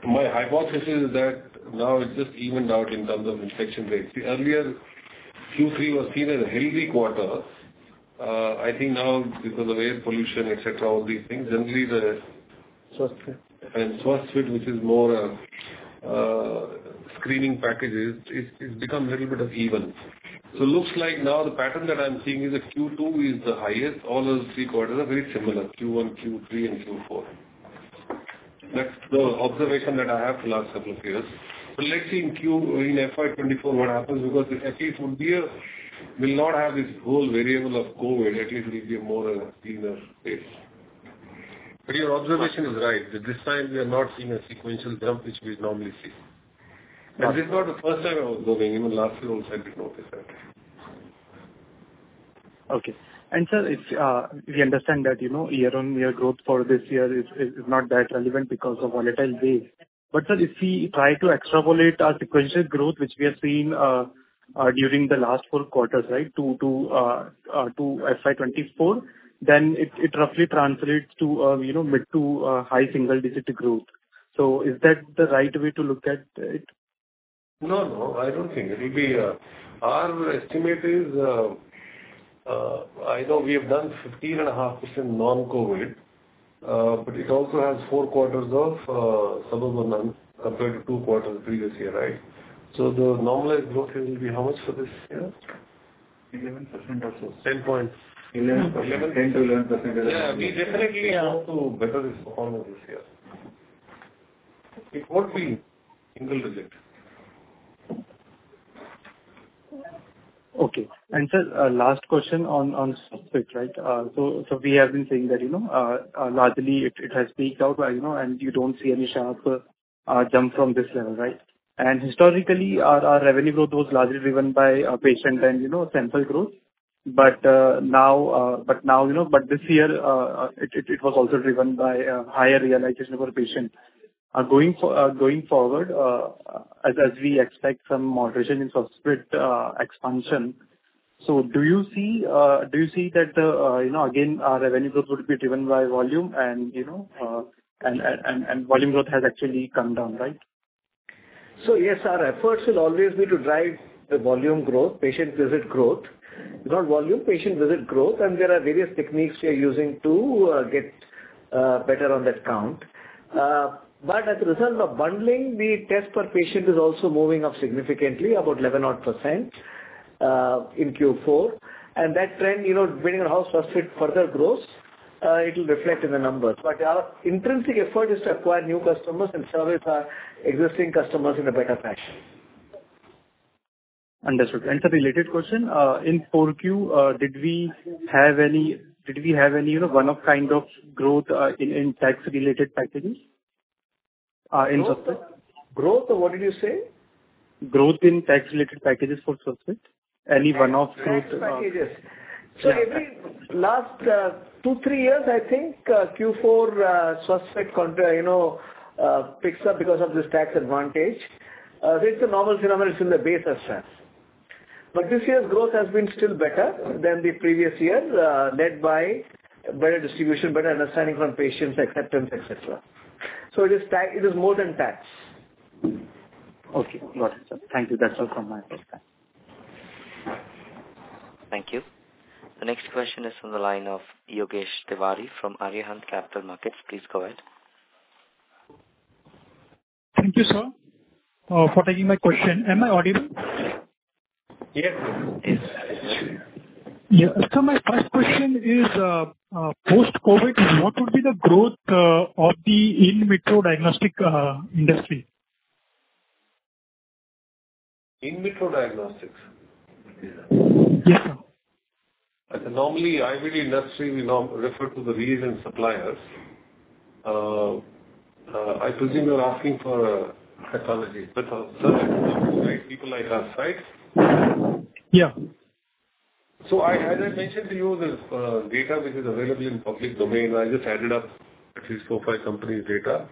My hypothesis is that now it's just evened out in terms of infection rates. Earlier, Q3 was seen as a healthy quarter. I think now because of air pollution, et cetera, all these things, generally. SwasthFit. SwasthFit, which is more screening packages, it's become a little bit of even. Looks like now the pattern that I'm seeing is that Q2 is the highest. All those three quarters are very similar, Q1, Q3, and Q4. That's the observation that I have for last couple of years. Let's see in FY 2024 what happens because at least from here we'll not have this whole variable of COVID. At least we'll be a more cleaner space. Your observation is right, that this time we are not seeing a sequential jump which we normally see. This is not the first time I was looking. Even last year also I did notice that. Okay. Sir, if we understand that, you know, year-on-year growth for this year is not that relevant because of volatile base. Sir, if we try to extrapolate our sequential growth, which we have seen during the last four quarters, right, to FY 2024, then it roughly translates to, you know, mid- to high single-digit growth. Is that the right way to look at it? No, no, I don't think. It'll be... Our estimate is, I know we have done 15.5% non-COVID, but it also has four quarters of some of none compared to two quarters previous year, right? The normalized growth will be how much for this year? 11% or so. 10 point. Eleven, ten to eleven percent. Yeah. We definitely have to better this performance this year. It won't be single digit. Okay. Sir, last question on SwasthFit, right? We have been saying that, you know, largely it has peaked out, you know, and you don't see any sharp jump from this level, right? Historically our revenue growth was largely driven by patient and, you know, central growth. Now, you know, this year it was also driven by higher realization per patient. Going forward, as we expect some moderation in SwasthFit expansion, do you see that, you know, again, our revenue growth would be driven by volume and, you know, and volume growth has actually come down, right? Yes, our efforts will always be to drive the volume growth, patient visit growth. Not volume, patient visit growth. There are various techniques we are using to get better on that count. As a result of bundling, the test per patient is also moving up significantly, about 11% odd in Q4. That trend, you know, being in-house SwasthFit further grows, it will reflect in the numbers. Our intrinsic effort is to acquire new customers and service our existing customers in a better fashion. Understood. A related question. In Q4, did we have any, you know, one-off kind of growth in tax related packages in SwasthFit? Growth, or what did you say? Growth in tax related packages for SwasthFit. Any one-off growth? Tax packages. Last two, three years, I think, Q4, SwasthFit contra, you know, picks up because of this tax advantage. This is a normal phenomenon. It's in the base ourselves. This year growth has been still better than the previous years, led by better distribution, better understanding from patients, acceptance, et cetera. It is more than tax. Okay. Got it, sir. Thank you. That's all from my side. Thank you. The next question is from the line of Yogesh Tiwari from Arihant Capital Markets. Please go ahead. Thank you, sir, for taking my question. Am I audible? Yes. Yeah. My first question is, post-COVID, what would be the growth of the in vitro diagnostic industry? in vitro diagnostics. Yeah. Normally, IVD industry, we refer to the reason suppliers. I presume you're asking for a pathology service, right? People like us, right? Yeah. I, as I mentioned to you, this data which is available in public domain, I just added up at least four or five companies' data.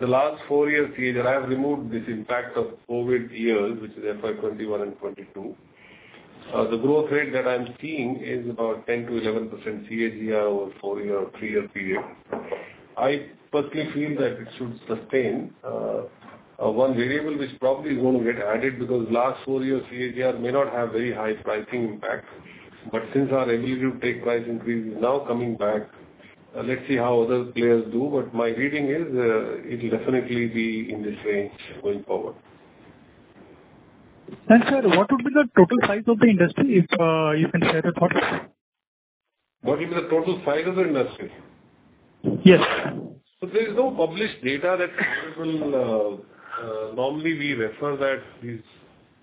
The last four year period, I have removed this impact of COVID years, which is FY 2021 and 2022. The growth rate that I'm seeing is about 10%-11% CAGR over four year or three year period. I personally feel that it should sustain. One variable which probably is going to get added because last four year CAGR may not have very high pricing impact. Since our annual take price increase is now coming back, let's see how other players do. My reading is, it'll definitely be in this range going forward. Sir, what would be the total size of the industry, if you can share your thoughts? What would be the total size of the industry? Yes. There is no published data that people. Normally, we refer that these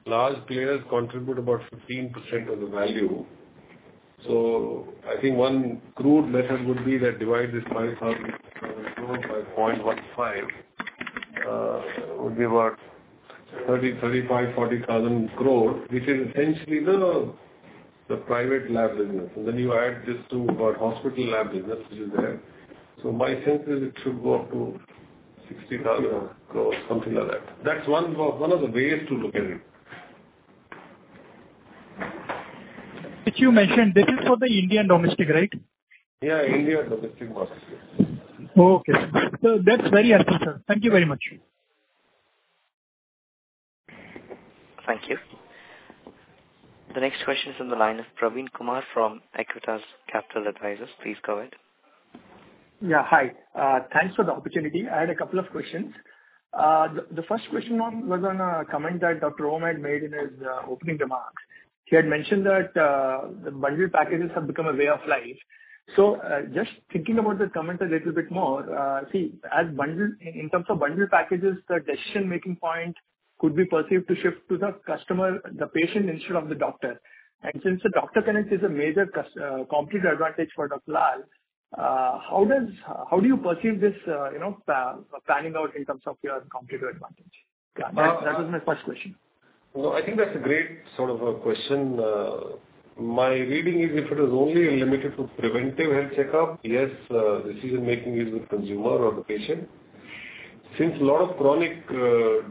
large players contribute about 15% of the value. I think one crude method would be that divide this 5,000 crore by 0.15 would be about 30,000-40,000 crore, which is essentially the private lab business. Then you add this to about hospital lab business, which is there. My sense is it should go up to 60,000 crore, something like that. That's one of the ways to look at it. Which you mentioned, this is for the Indian domestic, right? Yeah. India domestic market. Okay. That's very helpful, sir. Thank you very much. Thank you. The next question is in the line of Praveen Kumar from Aequitas Capital Advisors. Please go ahead. Hi. Thanks for the opportunity. I had a couple of questions. The first question was on a comment that Dr. Om Prakash Manchanda had made in his opening remarks. He had mentioned that the bundled packages have become a way of life. Just thinking about that comment a little bit more, in terms of bundled packages, the decision-making point could be perceived to shift to the customer, the patient instead of the doctor. And since the doctor connect is a major competitive advantage for Dr. Lal, how do you perceive this, you know, planning out in terms of your competitive advantage? That was my first question. Well, I think that's a great sort of a question. My reading is if it is only limited to preventive health check-up, yes, decision-making is with consumer or the patient. Since a lot of chronic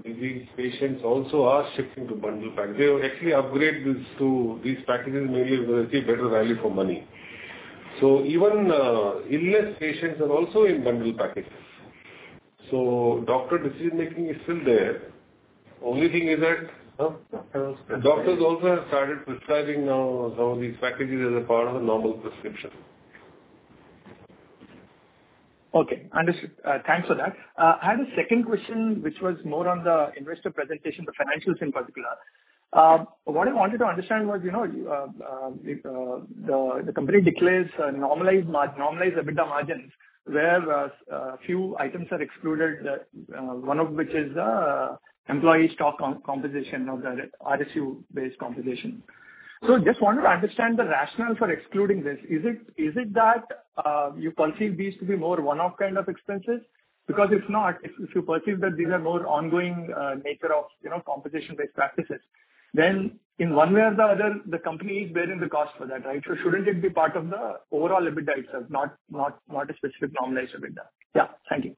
disease patients also are shifting to bundle pack, they will actually upgrade this to these packages mainly because they see better value for money. Even illness patients are also in bundle packages. Doctor decision-making is still there. Only thing is that doctors also have started prescribing now some of these packages as a part of a normal prescription. Okay. Understood. Thanks for that. I had a second question which was more on the investor presentation, the financials in particular. What I wanted to understand was, you know, the company declares normalized EBITDA margins, where a few items are excluded, one of which is the employee stock compensation or the RSU-based compensation. Just want to understand the rationale for excluding this. Is it that you perceive these to be more one-off kind of expenses? If not, if you perceive that these are more ongoing nature of, you know, compensation-based practices, then in one way or the other, the company is bearing the cost for that. Right? Shouldn't it be part of the overall EBITDA itself, not a specific normalized EBITDA? Thank you.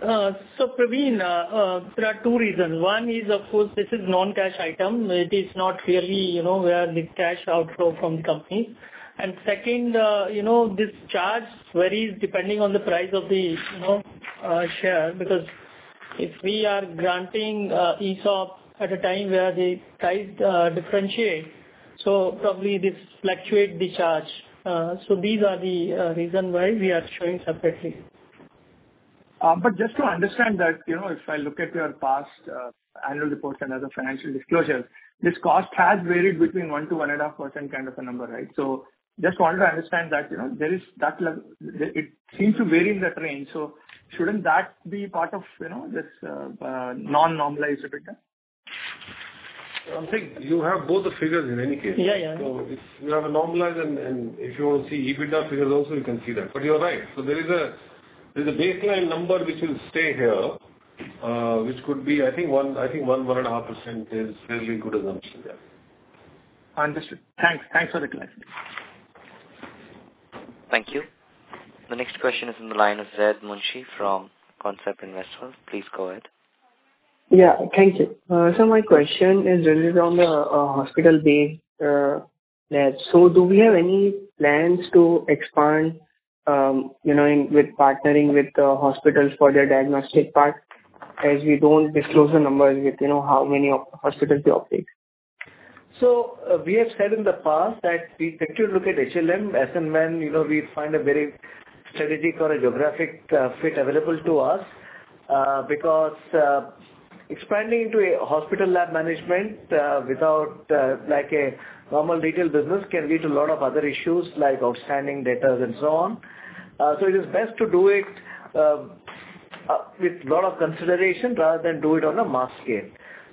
Praveen, there are two reasons. One is, of course, this is non-cash item. It is not really, you know, where the cash outflow from the company. Second, you know, this charge varies depending on the price of the, you know, share. Because if we are granting ESOP at a time where the price differentiate, probably this fluctuate the charge. These are the reason why we are showing separately. Just to understand that, you know, if I look at your past annual reports and other financial disclosures, this cost has varied between 1% to 1.5% kind of a number, right? Just wanted to understand that, you know, It seems to vary in that range. Shouldn't that be part of, you know, this non-normalized EBITDA? I think you have both the figures in any case. Yeah. Yeah. If you have a normalized and if you want to see EBITDA figures also, you can see that. You're right. There is a, there's a baseline number which will stay here, which could be, I think 1.5% is fairly good assumption, yeah. Understood. Thanks. Thanks for the clarity. Thank you. The next question is in the line of Zaid Munshi from Concept Investors. Please go ahead. Yeah. Thank you. My question is related on the hospital-based labs. Do we have any plans to expand, you know, in with partnering with the hospitals for their diagnostic part? As we don't disclose the numbers with, you know, how many of hospitality updates. We have said in the past that we particularly look at HLM as and when, you know, we find a very strategic or a geographic fit available to us. Because expanding into a hospital lab management without like a normal retail business can lead to a lot of other issues like outstanding debtors and so on. It is best to do it with lot of consideration rather than do it on a mass scale.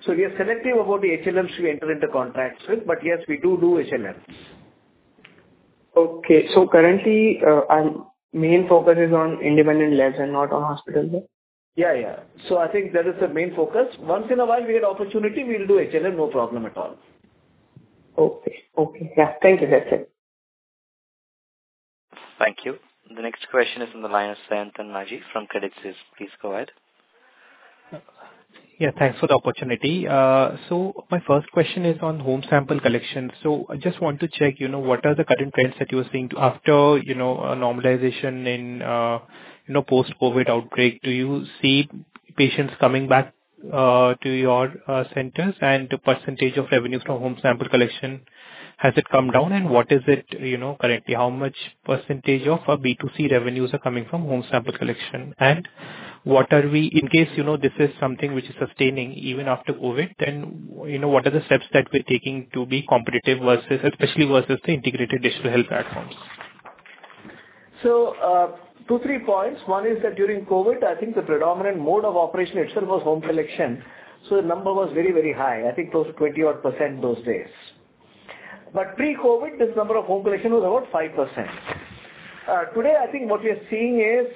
We are selective about the HLMs we enter into contracts with, but yes, we do HLMs. Okay. Currently, main focus is on independent labs and not on hospital labs? Yeah, yeah. I think that is the main focus. Once in a while we get opportunity, we'll do HLM, no problem at all. Okay. Okay. Yeah. Thank you, Jagjit. Thank you. The next question is on the line Sayantan Maji from Credit Suisse. Please go ahead. Yeah, thanks for the opportunity. My first question is on home sample collection. I just want to check, you know, what are the current trends that you are seeing after, you know, normalization in, you know, post-COVID outbreak. Do you see patients coming back to your centers? The percentage of revenues from home sample collection, has it come down? What is it, you know, currently, how much percentage of B2C revenues are coming from home sample collection? In case, you know, this is something which is sustaining even after COVID, then, you know, what are the steps that we're taking to be competitive versus, especially versus the integrated digital health platforms? Two, three points. One is that during COVID, I think the predominant mode of operation itself was home collection, so the number was very, very high. I think close to 20 odd % those days. Pre-COVID, this number of home collection was about 5%. Today I think what we are seeing is,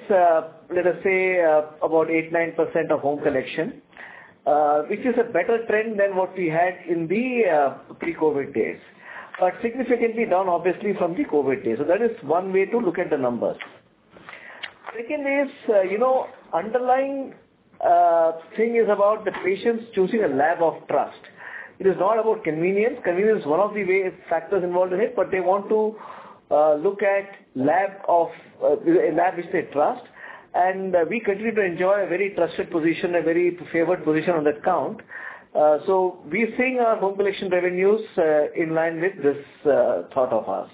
let us say, about 8%, 9% of home collection, which is a better trend than what we had in the pre-COVID days. Significantly down obviously from the COVID days. That is one way to look at the numbers. Second is, you know, underlying thing is about the patients choosing a lab of trust. It is not about convenience. Convenience is one of the way, factors involved in it, but they want to look at lab of a lab which they trust. We continue to enjoy a very trusted position, a very favored position on that count. We're seeing our home collection revenues in line with this thought of ours.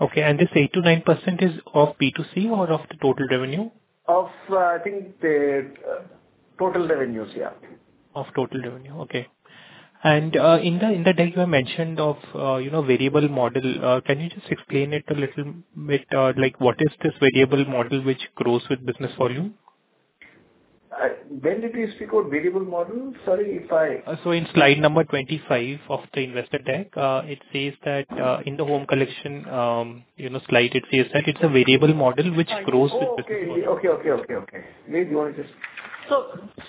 Okay. This 8%-9% is of B2C or of the total revenue? Of, I think the, total revenues, yeah. Of total revenue. Okay. In the, in the deck you have mentioned of, you know, variable model. Can you just explain it a little bit? Like what is this variable model which grows with business volume? When did we speak of variable model? Sorry. In slide number 25 of the investor deck, it says that, in the home collection, you know, slide it says that it's a variable model which grows with business volume. Oh, okay. Maybe you wanna just...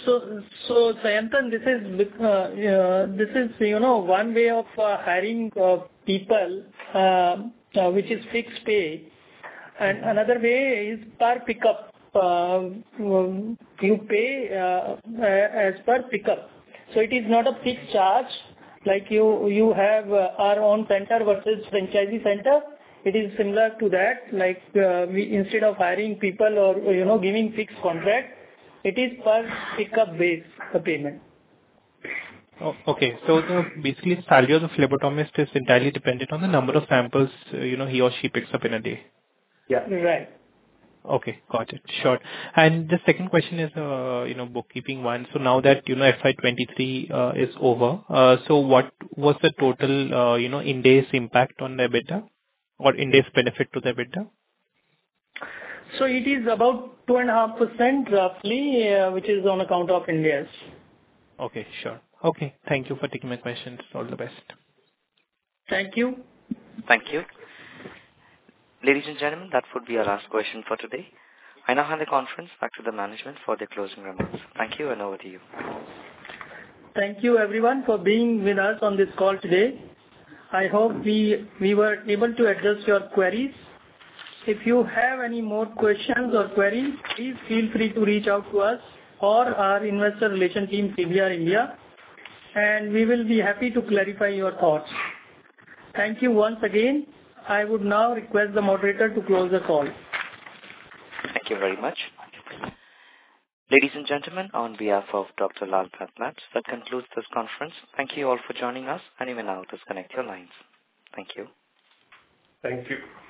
Sayantan, this is with, this is, you know, one way of hiring people, which is fixed pay. Another way is per pickup. You pay as per pickup. It is not a fixed charge. Like you have our own center versus franchisee center. It is similar to that. Like, we instead of hiring people or, you know, giving fixed contract, it is per pickup base, the payment. Okay. Basically salary of the phlebotomist is entirely dependent on the number of samples, you know, he or she picks up in a day. Yeah. Right. Okay. Got it. Sure. The second question is, you know, bookkeeping one. Now that, you know, FY 2023, is over, what was the total, you know, Ind AS impact on the EBITDA or Ind AS benefit to the EBITDA? It is about 2.5% roughly, which is on account of Ind AS. Okay. Sure. Okay. Thank you for taking my questions. All the best. Thank you. Thank you. Ladies and gentlemen, that would be our last question for today. I now hand the conference back to the management for the closing remarks. Thank you, and over to you. Thank you everyone for being with us on this call today. I hope we were able to address your queries. If you have any more questions or queries, please feel free to reach out to us or our investor relation team, CDR India, we will be happy to clarify your thoughts. Thank you once again. I would now request the moderator to close the call. Thank you very much. Ladies and gentlemen, on behalf of Dr. Lal PathLabs, that concludes this conference. Thank you all for joining us, and you may now disconnect your lines. Thank you. Thank you.